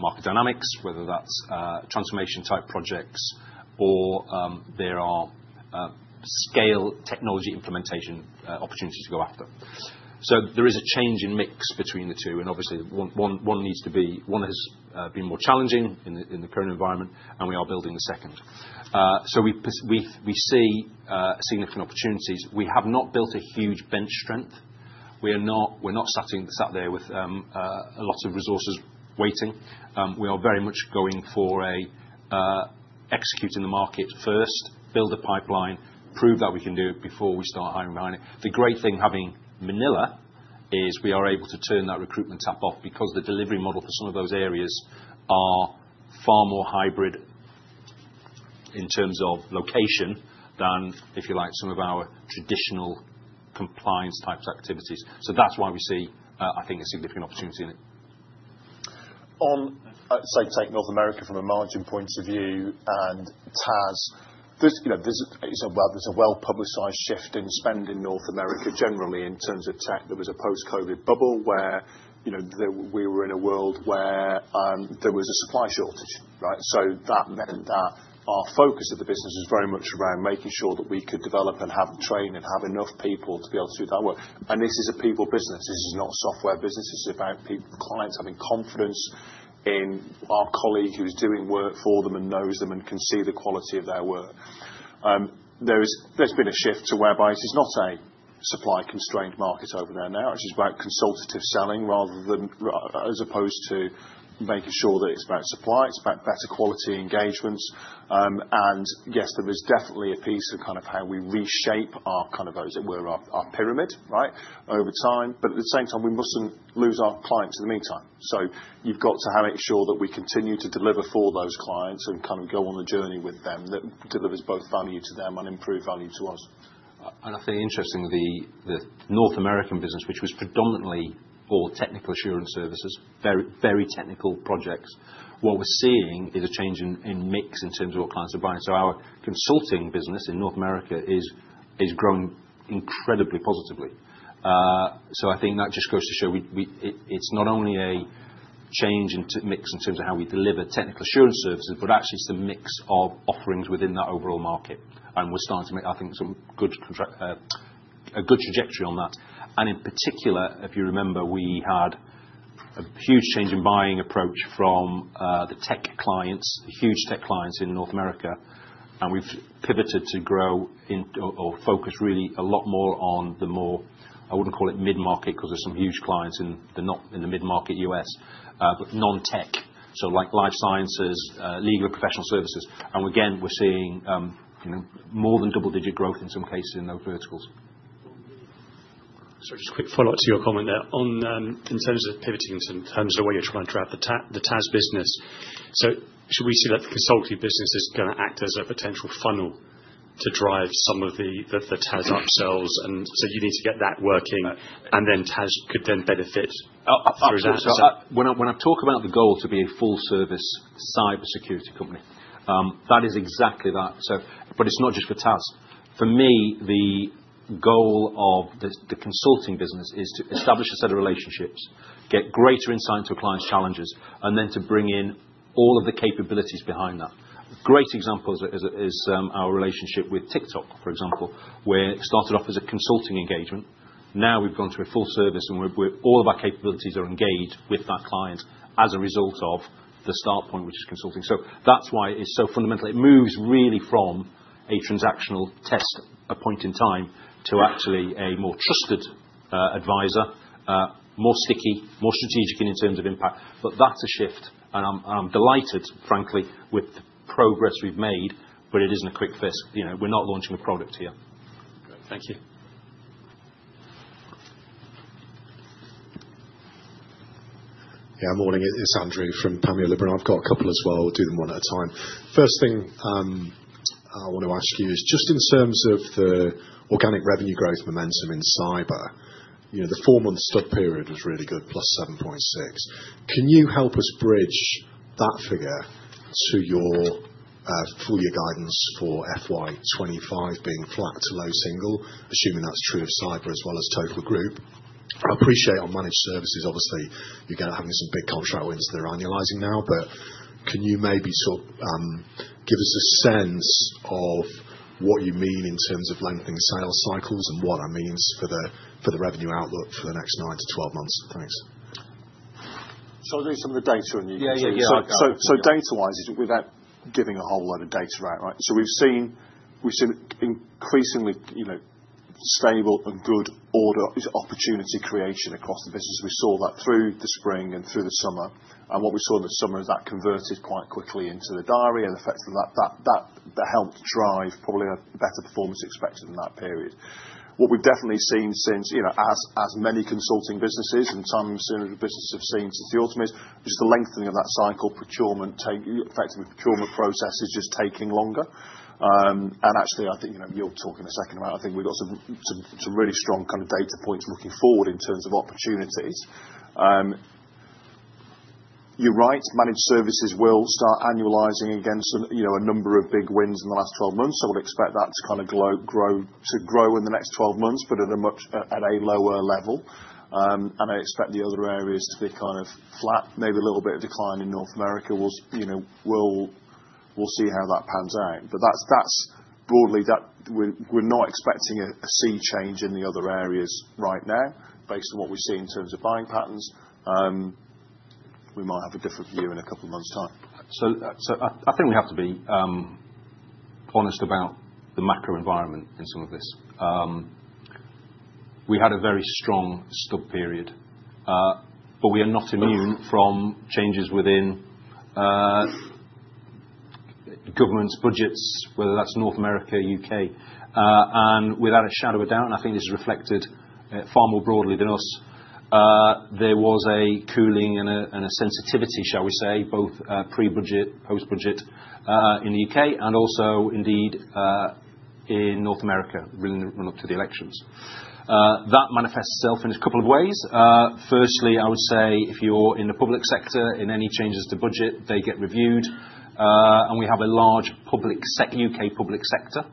market dynamics, whether that's transformation-type projects or there are scale technology implementation opportunities to go after. So there is a change in mix between the two, and obviously, one needs to be one has been more challenging in the current environment, and we are building the second, so we see significant opportunities. We have not built a huge bench strength. We're not sat there with a lot of resources waiting. We are very much going for executing the market first, build a pipeline, prove that we can do it before we start hiring behind it. The great thing having Manila is we are able to turn that recruitment tap off because the delivery model for some of those areas are far more hybrid in terms of location than, if you like, some of our traditional compliance-type activities, so that's why we see, I think, a significant opportunity in it. On, say, take North America from a margin point of view and TAS. There's a well-publicized shift in spend in North America generally in terms of tech. There was a post-COVID bubble where we were in a world where there was a supply shortage, right? So that meant that our focus of the business was very much around making sure that we could develop and have trained and have enough people to be able to do that work. And this is a people business. This is not a software business. This is about clients having confidence in our colleague who is doing work for them and knows them and can see the quality of their work. There's been a shift to whereby it is not a supply-constrained market over there now. It is about consultative selling rather than as opposed to making sure that it's about supply. It's about better quality engagements. And yes, there is definitely a piece of kind of how we reshape our kind of our pyramid, right, over time. But at the same time, we mustn't lose our clients in the meantime. So you've got to make sure that we continue to deliver for those clients and kind of go on the journey with them that delivers both value to them and improved value to us. And I think interesting, the North American business, which was predominantly all Technical Assurance Services, very technical projects. What we're seeing is a change in mix in terms of what clients are buying. So our consulting business in North America is growing incredibly positively. So, I think that just goes to show it's not only a change in mix in terms of how we deliver Technical Assurance Services, but actually it's the mix of offerings within that overall market. And we're starting to make, I think, some good traction on that. And in particular, if you remember, we had a huge change in buying approach from the tech clients, the huge tech clients in North America. And we've pivoted to grow or focus really a lot more on the more. I wouldn't call it mid-market because there's some huge clients in the mid-market U.S., but non-tech. So like life sciences, legal and professional services. And again, we're seeing more than double-digit growth in some cases in those verticals. Sorry, just quick follow-up to your comment there in terms of pivoting in terms of the way you're trying to drive the TAS business. So should we see that the consulting business is going to act as a potential funnel to drive some of the TAS upsells? And so you need to get that working and then TAS could then benefit through that. When I talk about the goal to be a full-service cybersecurity company, that is exactly that. But it's not just for TAS. For me, the goal of the consulting business is to establish a set of relationships, get greater insight into clients' challenges, and then to bring in all of the capabilities behind that. Great example is our relationship with TikTok, for example, where it started off as a consulting engagement. Now we've gone to a full service and all of our capabilities are engaged with that client as a result of the start point, which is consulting. So that's why it's so fundamental. It moves really from a transactional test at point in time to actually a more trusted advisor, more sticky, more strategic in terms of impact. But that's a shift. And I'm delighted, frankly, with the progress we've made, but it isn't a quick fix. We're not launching a product here. Great. Thank you. Yeah, morning. It's Andrew from Panmure Liberum. And I've got a couple as well. We'll do them one at a time. First thing I want to ask you is just in terms of the organic revenue growth momentum in cyber, the four-month stub period was really good, +7.6%. Can you help us bridge that figure for your guidance for FY 2025 being flat to low single, assuming that's true of cyber as well as total group? I appreciate, on managed services, obviously, you're having some big contract wins that are annualizing now, but can you maybe sort of give us a sense of what you mean in terms of lengthening sales cycles and what that means for the revenue outlook for the next nine to 12 months? Thanks. So I'll dump some of the data on you. Yeah, yeah. So data-wise, without giving a whole lot of data out, right? So we've seen increasingly stable and good order opportunity creation across the business. We saw that through the spring and through the summer. And what we saw in the summer is that converted quite quickly into the diary and the effects of that helped drive probably a better performance expected in that period. What we've definitely seen, since as many consulting businesses and some businesses have seen since the autumn, is just the lengthening of that cycle. Effectively, procurement process is just taking longer, and actually, I think you'll talk in a second about, I think we've got some really strong kind of data points looking forward in terms of opportunities. You're right. Managed services will start annualizing against a number of big wins in the last 12 months, so we'll expect that to kind of grow in the next 12 months, but at a lower level, and I expect the other areas to be kind of flat, maybe a little bit of decline in North America. We'll see how that pans out, but that's broadly that we're not expecting a sea change in the other areas right now based on what we see in terms of buying patterns. We might have a different view in a couple of months' time. So I think we have to be honest about the macro environment in some of this. We had a very strong stub period, but we are not immune from changes within governments, budgets, whether that's North America, U.K., and without a shadow of a doubt, and I think this is reflected far more broadly than us, there was a cooling and a sensitivity, shall we say, both pre-budget, post-budget in the U.K. and also indeed in North America running up to the elections. That manifests itself in a couple of ways. Firstly, I would say if you're in the public sector, in any changes to budget, they get reviewed. And we have a large U.K. public sector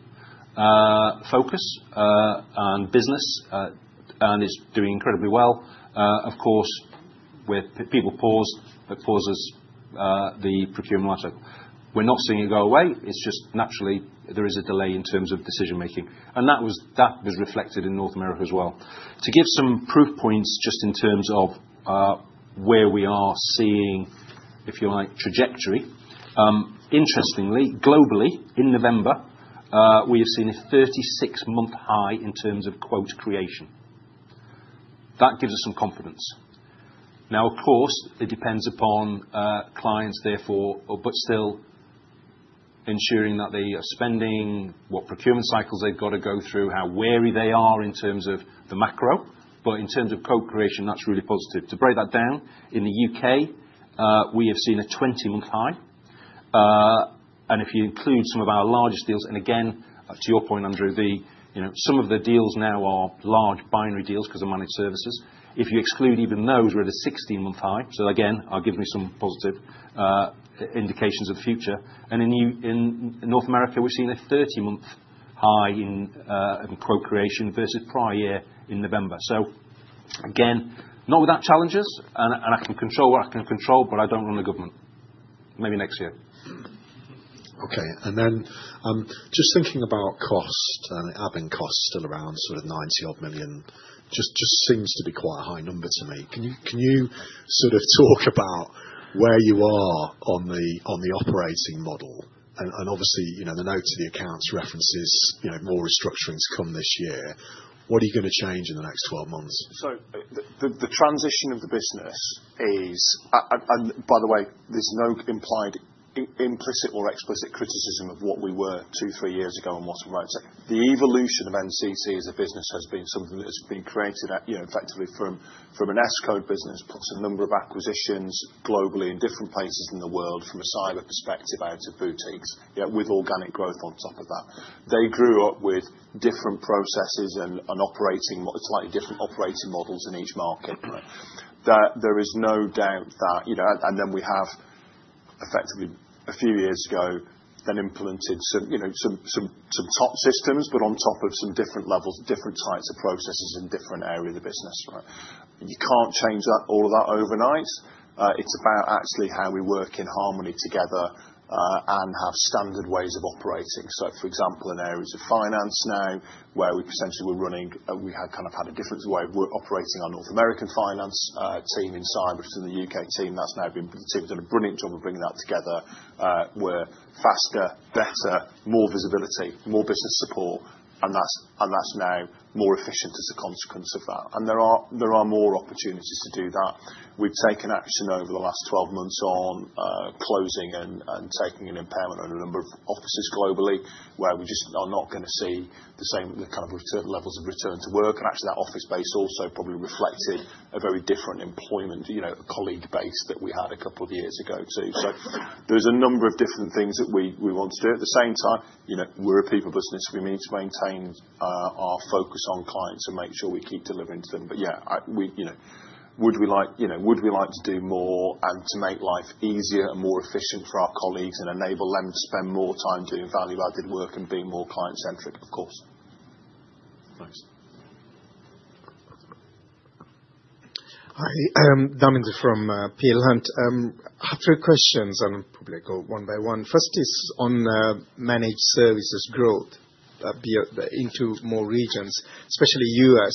focus and business, and it's doing incredibly well. Of course, people paused, but pauses the procurement cycle. We're not seeing it go away. It's just naturally, there is a delay in terms of decision-making. And that was reflected in North America as well. To give some proof points just in terms of where we are seeing, if you like, trajectory, interestingly, globally, in November, we have seen a 36-month high in terms of quote creation. That gives us some confidence. Now, of course, it depends upon clients, therefore, but still ensuring that the spending, what procurement cycles they've got to go through, how wary they are in terms of the macro. But in terms of quote creation, that's really positive. To break that down, in the UK, we have seen a 20-month high. And if you include some of our largest deals, and again, to your point, Andrew, some of the deals now are large binary deals because of managed services. If you exclude even those, we're at a 16-month high. So again, that gives me some positive indications of the future. And in North America, we've seen a 30-month high in quote creation versus prior year in November. So again, not without challenges. And I can control what I can control, but I don't run the government. Maybe next year. Okay. And then just thinking about cost and adding costs still around sort of 90-odd million, just seems to be quite a high number to me. Can you sort of talk about where you are on the operating model? And obviously, the notes of the accounts references more restructuring to come this year. What are you going to change in the next 12 months? So the transition of the business is, and by the way, there's no implied, implicit, or explicit criticism of what we were two, three years ago on what's right. The evolution of NCC as a business has been something that has been created effectively from a source code business, plus a number of acquisitions globally in different places in the world from a cyber perspective out of boutiques, with organic growth on top of that. They grew up with different processes and slightly different operating models in each market. There is no doubt that, and then we have effectively a few years ago then implemented some top systems, but on top of some different levels, different types of processes in different areas of the business. You can't change all of that overnight. It's about actually how we work in harmony together and have standard ways of operating. So, for example, in areas of finance now, where we potentially were running, we had kind of had a different way of operating our North American finance team in cyber to the UK team. That's now been. The team has done a brilliant job of bringing that together. We're faster, better, more visibility, more business support, and that's now more efficient as a consequence of that, and there are more opportunities to do that. We've taken action over the last 12 months on closing and taking an impairment on a number of offices globally where we just are not going to see the same kind of levels of return to work, and actually, that office base also probably reflected a very different employment colleague base that we had a couple of years ago too, so there's a number of different things that we want to do. At the same time, we're a people business. We need to maintain our focus on clients and make sure we keep delivering to them. But yeah, would we like to do more and to make life easier and more efficient for our colleagues and enable them to spend more time doing value-added work and being more client-centric, of course. Thanks. Hi. Damindra Perera from Peel Hunt. I have three questions and probably go one by one. First is on managed services growth into more regions, especially US.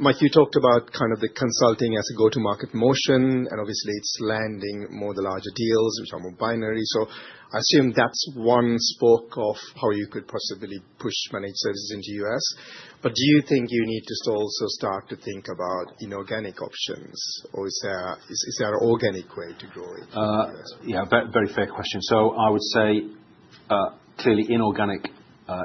Mike, you talked about kind of the consulting as a go-to-market motion, and obviously, it's landing more the larger deals, which are more binary. So I assume that's one spoke of how you could possibly push managed services into US. But do you think you need to also start to think about inorganic options, or is there an organic way to grow it? Yeah, very fair question. So I would say clearly inorganic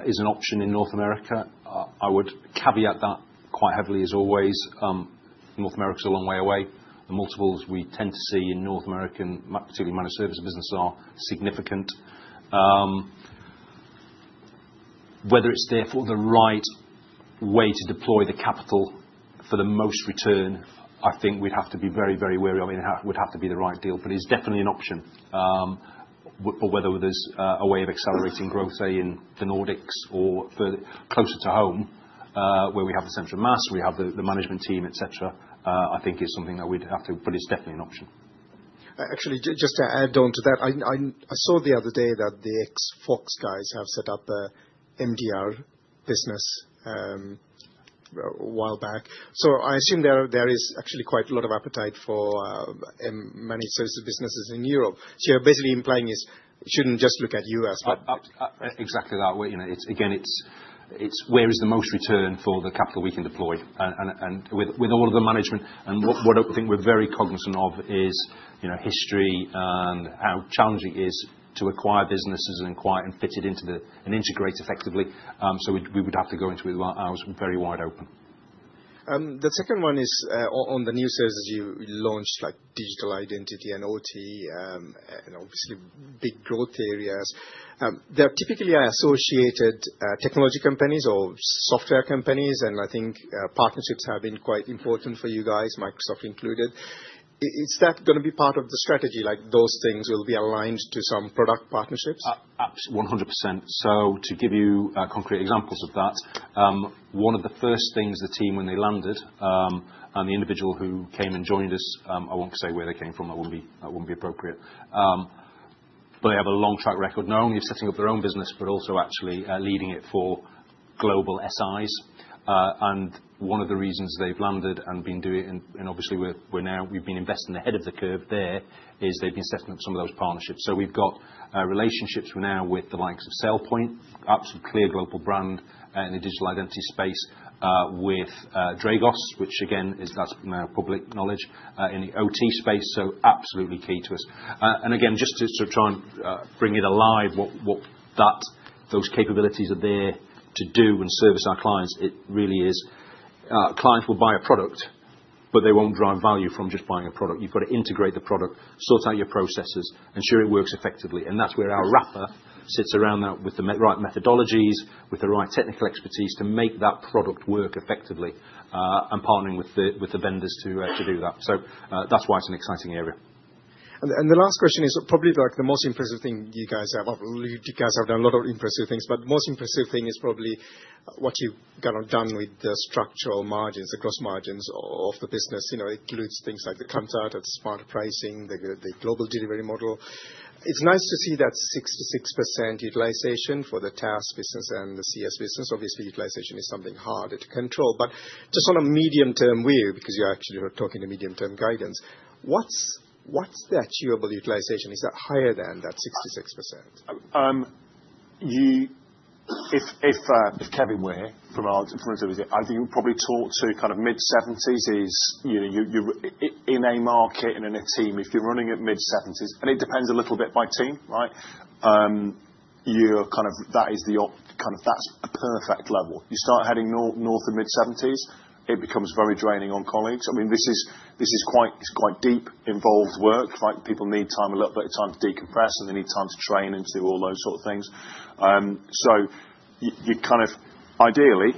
is an option in North America. I would caveat that quite heavily as always. North America is a long way away. The multiples we tend to see in North America, particularly managed services business, are significant. Whether it's there for the right way to deploy the capital for the most return, I think we'd have to be very, very wary of it. It would have to be the right deal, but it's definitely an option. But whether there's a way of accelerating growth, say, in the Nordics or closer to home where we have the critical mass, we have the management team, etc., I think is something that we'd have to, but it's definitely an option. Actually, just to add on to that, I saw the other day that the ex-Fox guys have set up an MDR business a while back. So I assume there is actually quite a lot of appetite for managed services businesses in Europe. So you're basically implying is we shouldn't just look at U.S., but Exactly that. Again, it's where is the most return for the capital we can deploy. And with all of the management, and what I think we're very cognizant of is history and how challenging it is to acquire businesses and acquire and fit it into and integrate effectively. So we would have to go into it. I was very wide open. The second one is on the new services you launched, like digital identity and OT, and obviously big growth areas. They're typically associated technology companies or software companies, and I think partnerships have been quite important for you guys, Microsoft included. Is that going to be part of the strategy? Those things will be aligned to some product partnerships? 100%. So to give you concrete examples of that, one of the first things the team when they landed and the individual who came and joined us, I won't say where they came from. That wouldn't be appropriate. But they have a long track record, not only of setting up their own business, but also actually leading it for global SIs. And one of the reasons they've landed and been doing it, and obviously we've been investing ahead of the curve there, is they've been setting up some of those partnerships. We've got relationships now with the likes of SailPoint, absolute clear global brand in the digital identity space, with Dragos, which again, that's now public knowledge in the OT space. So absolutely key to us. And again, just to sort of try and bring it alive, what those capabilities are there to do and service our clients, it really is. Clients will buy a product, but they won't drive value from just buying a product. You've got to integrate the product, sort out your processes, ensure it works effectively. And that's where our wrapper sits around that with the right methodologies, with the right technical expertise to make that product work effectively and partnering with the vendors to do that. So that's why it's an exciting area. The last question is probably the most impressive thing you guys have. You guys have done a lot of impressive things, but the most impressive thing is probably what you've kind of done with the structural margins, the gross margins of the business. It includes things like the contracting, the smart pricing, the global delivery model. It's nice to see that 66% utilization for the TAS business and the CS business. Obviously, utilization is something harder to control, but just on a medium-term view, because you're actually talking to medium-term guidance, what's the achievable utilization? Is that higher than that 66%? If we were from our perspective, I think you're probably targeting kind of mid-70s is in a market and in a team, if you're running at mid-70s, and it depends a little bit by team, right? That is the kind of perfect level. You start heading north of mid-70s, it becomes very draining on colleagues. I mean, this is quite deep, involved work, right? People need a little bit of time to decompress, and they need time to train and do all those sort of things. So you kind of ideally,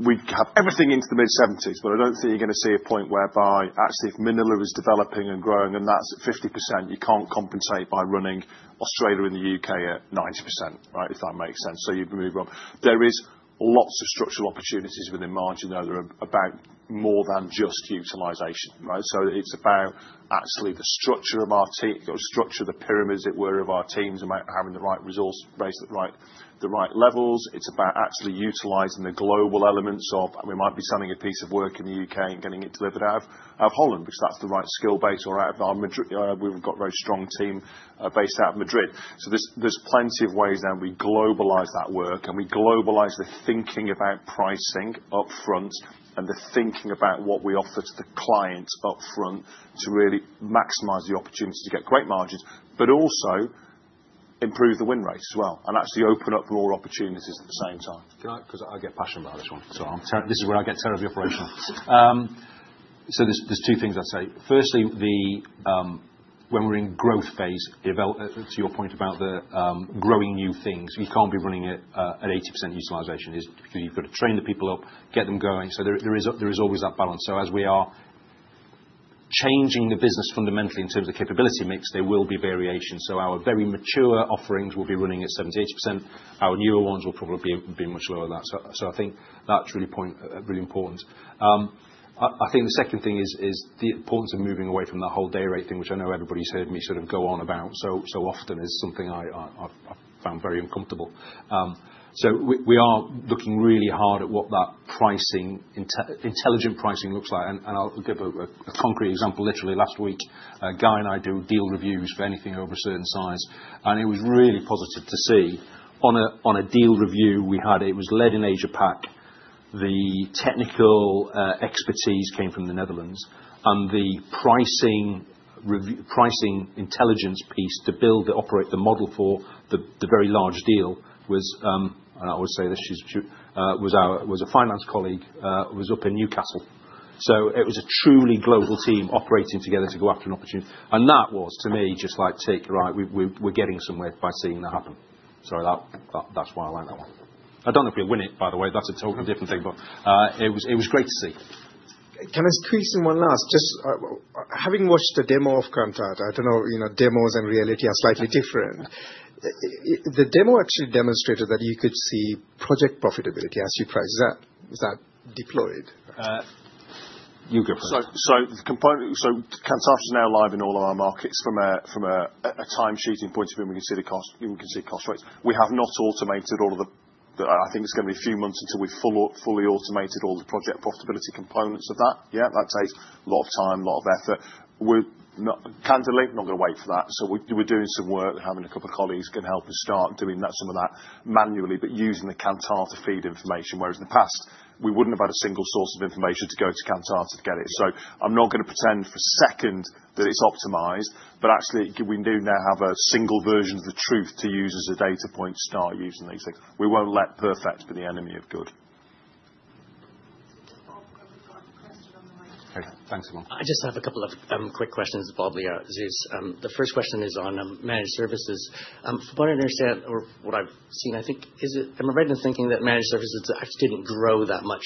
we'd have everything into the mid-70s, but I don't think you're going to see a point whereby actually if Manila is developing and growing and that's at 50%, you can't compensate by running Australia and the U.K. at 90%, right? If that makes sense. So you've moved on. There is lots of structural opportunities within margin that are about more than just utilization, right? So it's about actually the structure of our team, the structure, the pyramid structure of our teams about having the right resources based at the right levels. It's about actually utilizing the global elements of, and we might be selling a piece of work in the UK and getting it delivered out of Holland because that's the right skill base or out of our Madrid. We've got a very strong team based out of Madrid. So there's plenty of ways now we globalize that work and we globalize the thinking about pricing upfront and the thinking about what we offer to the client upfront to really maximize the opportunity to get great margins, but also improve the win rate as well. And actually open up more opportunities at the same time. Can I? Because I get passionate about this one. So this is where I get terribly operational. So there's two things I'd say. Firstly, when we're in growth phase, to your point about the growing new things, you can't be running it at 80% utilization because you've got to train the people up, get them going, so there is always that balance, so as we are changing the business fundamentally in terms of capability mix, there will be variations, so our very mature offerings will be running at 70%-80%. Our newer ones will probably be much lower than that, so I think that's really important. I think the second thing is the importance of moving away from that whole day rate thing, which I know everybody's heard me sort of go on about so often is something I've found very uncomfortable, so we are looking really hard at what that intelligent pricing looks like, and I'll give a concrete example. Literally, last week, a guy and I do deal reviews for anything over a certain size, and it was really positive to see on a deal review we had. It was led in Asia-Pac. The technical expertise came from the Netherlands, and the pricing intelligence piece to build the model for the very large deal was, and I always say this, was a finance colleague, was up in Newcastle. So it was a truly global team operating together to go after an opportunity, and that was, to me, just like, "Tick, right, we're getting somewhere by seeing that happen." So that's why I like that one. I don't know if we'll win it, by the way. That's a totally different thing, but it was great to see. Can I squeeze in one last? Just having watched a demo of Kantata, I don't know, demos and reality are slightly different. The demo actually demonstrated that you could see project profitability as you price that. Is that deployed? You go first. So Kantata is now live in all of our markets from a time-shooting point of view. We can see the cost. We can see cost rates. We have not automated all of the, I think it's going to be a few months until we've fully automated all the project profitability components of that. Yeah, that takes a lot of time, a lot of effort. Candidly, I'm not going to wait for that. So we're doing some work and having a couple of colleagues can help us start doing that, some of that manually, but using the Kantata to feed information. Whereas in the past, we wouldn't have had a single source of information to go to Kantata to get it. So I'm not going to pretend for a second that it's optimized, but actually we do now have a single version of the truth to use as a data point to start using these things. We won't let perfect be the enemy of good. Okay. Thanks guys. I just have a couple of quick questions, Bobbie, Zeus. The first question is on managed services. From what I understand or what I've seen, I think, am I right in thinking that managed services actually didn't grow that much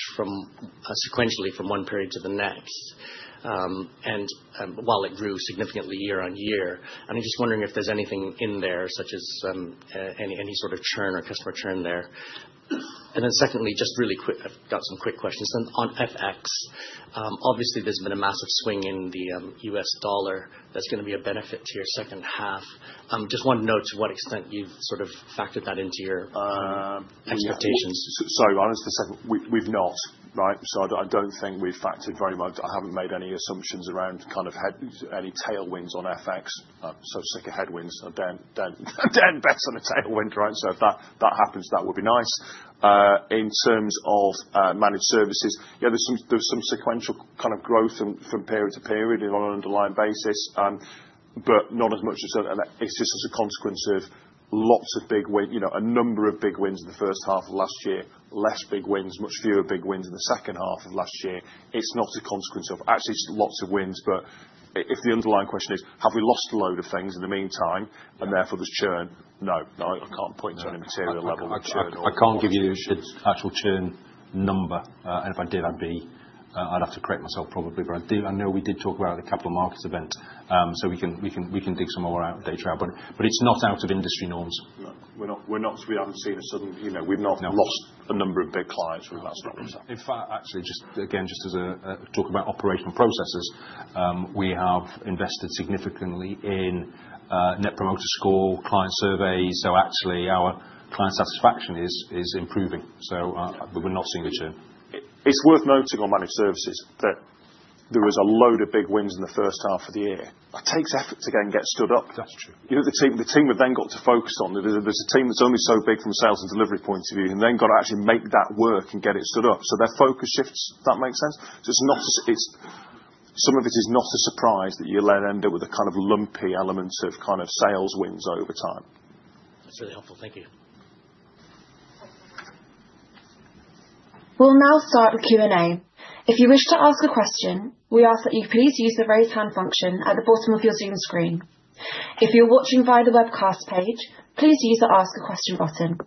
sequentially from one period to the next, while it grew significantly year on year? And I'm just wondering if there's anything in there, such as any sort of churn or customer churn there. And then, secondly, just really quick, I've got some quick questions. On FX, obviously there's been a massive swing in the US dollar. That's going to be a benefit to your second half. Just want to know to what extent you've sort of factored that into your expectations. Sorry, I'll answer for a second. We've not, right? So I don't think we've factored very much. I haven't made any assumptions around kind of any tailwinds on FX. So, expect headwinds. Don't bet on a tailwind, right? So if that happens, that would be nice. In terms of managed services, yeah, there's some sequential kind of growth from period to period on an underlying basis, but not as much as a, it's just as a consequence of lots of big wins, a number of big wins in the first half of last year, less big wins, much fewer big wins in the second half of last year. It's not a consequence of actually lots of wins, but if the underlying question is, have we lost a load of things in the meantime and therefore there's churn? No, no, I can't point to any material level of churn. I can't give you an actual churn number, and if I did, I'd have to correct myself probably, but I know we did talk about a capital markets event. So we can dig some more out of detail, but it's not out of industry norms. We haven't seen a sudden. We've not lost a number of big clients. In fact, actually, just to talk about operational processes, we have invested significantly in Net Promoter Score, client surveys. So actually, our client satisfaction is improving. So we're not seeing a churn. It's worth noting on Managed Services that there was a load of big wins in the first half of the year. It takes effort to get stood up. The team have then got to focus on. There's a team that's only so big from a sales and delivery point of view and then got to actually make that work and get it stood up. So their focus shifts, if that makes sense. So some of it is not a surprise that you'll end up with a kind of lumpy element of kind of sales wins over time. That's really helpful. Thank you. We'll now start with Q&A. If you wish to ask a question, we ask that you please use the raise hand function at the bottom of your Zoom screen. If you're watching via the webcast page, please use the ask a question button.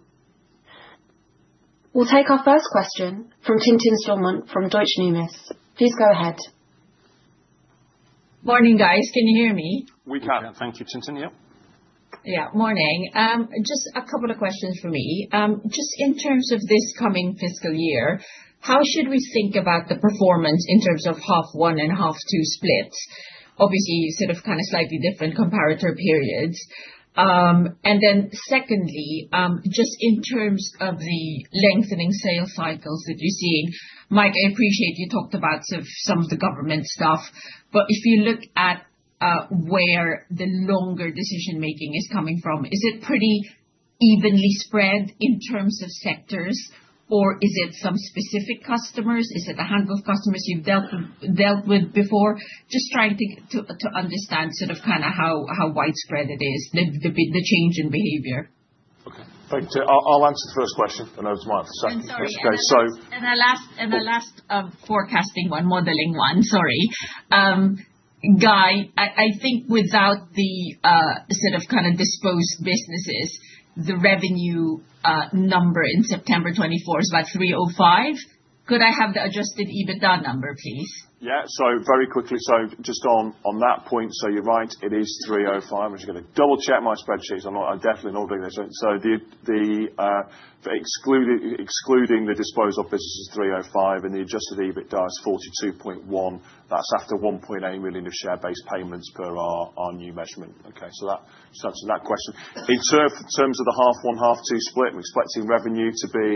We'll take our first question from Tintin Stormont from Deutsche Numis. Please go ahead. Morning, guys. Can you hear me? We can. Thank you, Tintin. Yeah. Yeah. Morning. Just a couple of questions for me. Just in terms of this coming fiscal year, how should we think about the performance in terms of half one and half two splits? Obviously, you sort of kind of slightly different comparator periods. And then, secondly, just in terms of the lengthening sales cycles that you're seeing, Mike, I appreciate you talked about some of the government stuff, but if you look at where the longer decision-making is coming from, is it pretty evenly spread in terms of sectors, or is it some specific customers? Is it a handful of customers you've dealt with before? Just trying to understand sort of kind of how widespread it is, the change in behavior. Okay. Thank you. I'll answer the first question, and then it's mine for a second. And sorry. And the last forecasting one, modeling one, sorry. Guy, I think without the sort of kind of disposed businesses, the revenue number in September 2024 is about 305. Could I have the Adjusted EBITDA number, please? Yeah. So very quickly, so just on that point, so you're right, it is 305. I'm just going to double-check my spreadsheets. I'm definitely not doing this. So excluding the disposed office is 305, and the adjusted EBITDA is 42.1. That's after 1.8 million of share-based payments per our new measurement. Okay. So that's that question. In terms of the half one, half two split, we're expecting revenue to be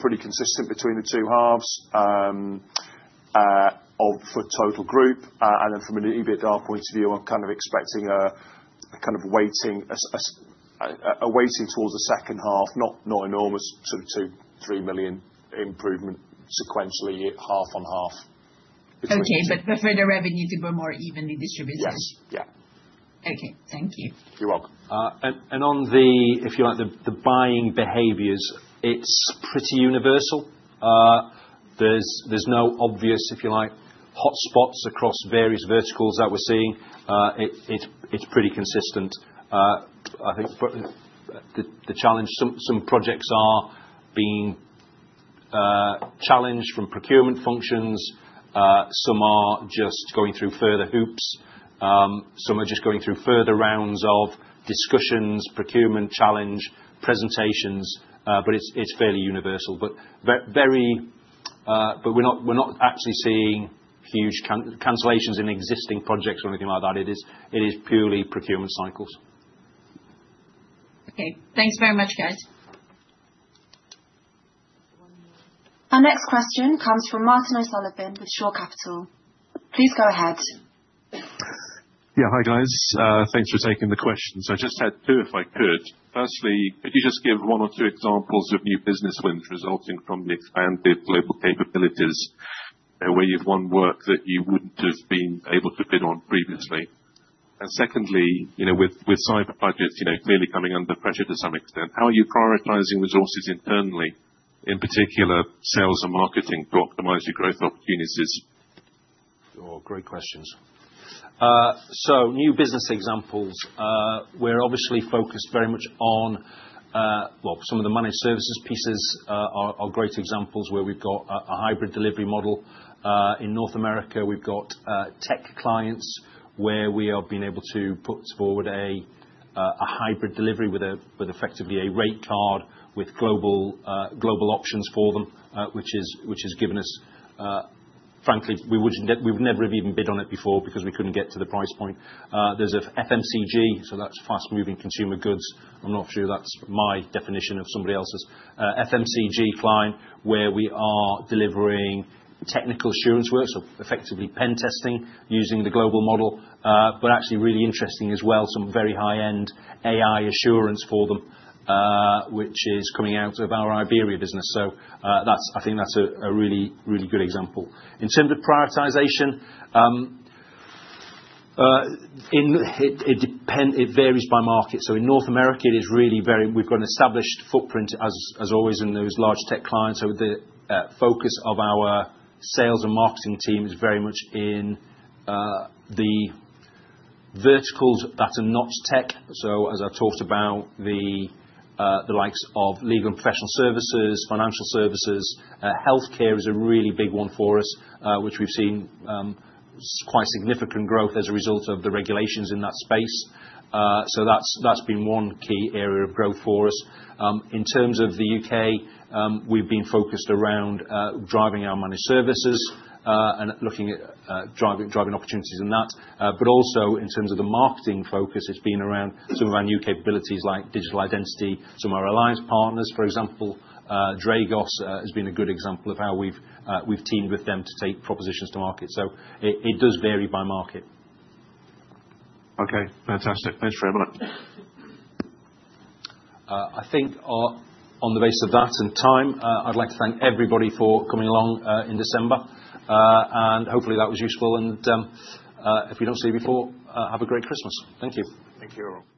pretty consistent between the two halves for total group. And then from an EBITDA point of view, I'm kind of expecting a kind of weighting towards the second half, not enormous, sort of 2-3 million improvement sequentially, half on half. Okay. But for the revenue to go more evenly distributed. Yes. Yeah. Okay. Thank you. You're welcome. And on the, if you like, the buying behaviors, it's pretty universal. There's no obvious, if you like, hotspots across various verticals that we're seeing. It's pretty consistent, I think. But the challenge, some projects are being challenged from procurement functions. Some are just going through further hoops. Some are just going through further rounds of discussions, procurement challenge presentations, but it's fairly universal. But we're not actually seeing huge cancellations in existing projects or anything like that. It is purely procurement cycles. Okay. Thanks very much, guys. Our next question comes from Martin O'Sullivan with Shore Capital. Please go ahead. Yeah. Hi, guys. Thanks for taking the question. So I just had two, if I could. Firstly, could you just give one or two examples of new business wins resulting from the expanded global capabilities where you've won work that you wouldn't have been able to bid on previously? And secondly, with cyber budgets clearly coming under pressure to some extent, how are you prioritizing resources internally, in particular sales and marketing, to optimize your growth opportunities? Great questions. So new business examples, we're obviously focused very much on, well, some of the managed services pieces are great examples where we've got a hybrid delivery model. In North America, we've got tech clients where we have been able to put forward a hybrid delivery with effectively a rate card with global options for them, which has given us, frankly, we would never have even bid on it before because we couldn't get to the price point. There's an FMCG, so that's fast-moving consumer goods. I'm not sure that's my definition of somebody else's. FMCG client where we are delivering technical assurance work, so effectively pen testing using the global model, but actually really interesting as well, some very high-end AI assurance for them, which is coming out of our Iberia business. So I think that's a really good example. In terms of prioritization, it varies by market. In North America, it's really, we've got an established footprint, as always, in those large tech clients. The focus of our sales and marketing team is very much in the verticals that are not tech. As I talked about, the likes of legal and professional services, financial services, healthcare is a really big one for us, which we've seen quite significant growth as a result of the regulations in that space. That's been one key area of growth for us. In terms of the UK, we've been focused around driving our managed services and looking at driving opportunities in that. But also in terms of the marketing focus, it's been around some of our new capabilities like digital identity, some of our alliance partners. For example, Dragos has been a good example of how we've teamed with them to take propositions to market. So it does vary by market. Okay. Fantastic. Thanks for everyone. I think on the basis of that and time, I'd like to thank everybody for coming along in December. And hopefully that was useful. And if we don't see you before, have a great Christmas. Thank you. Thank you all.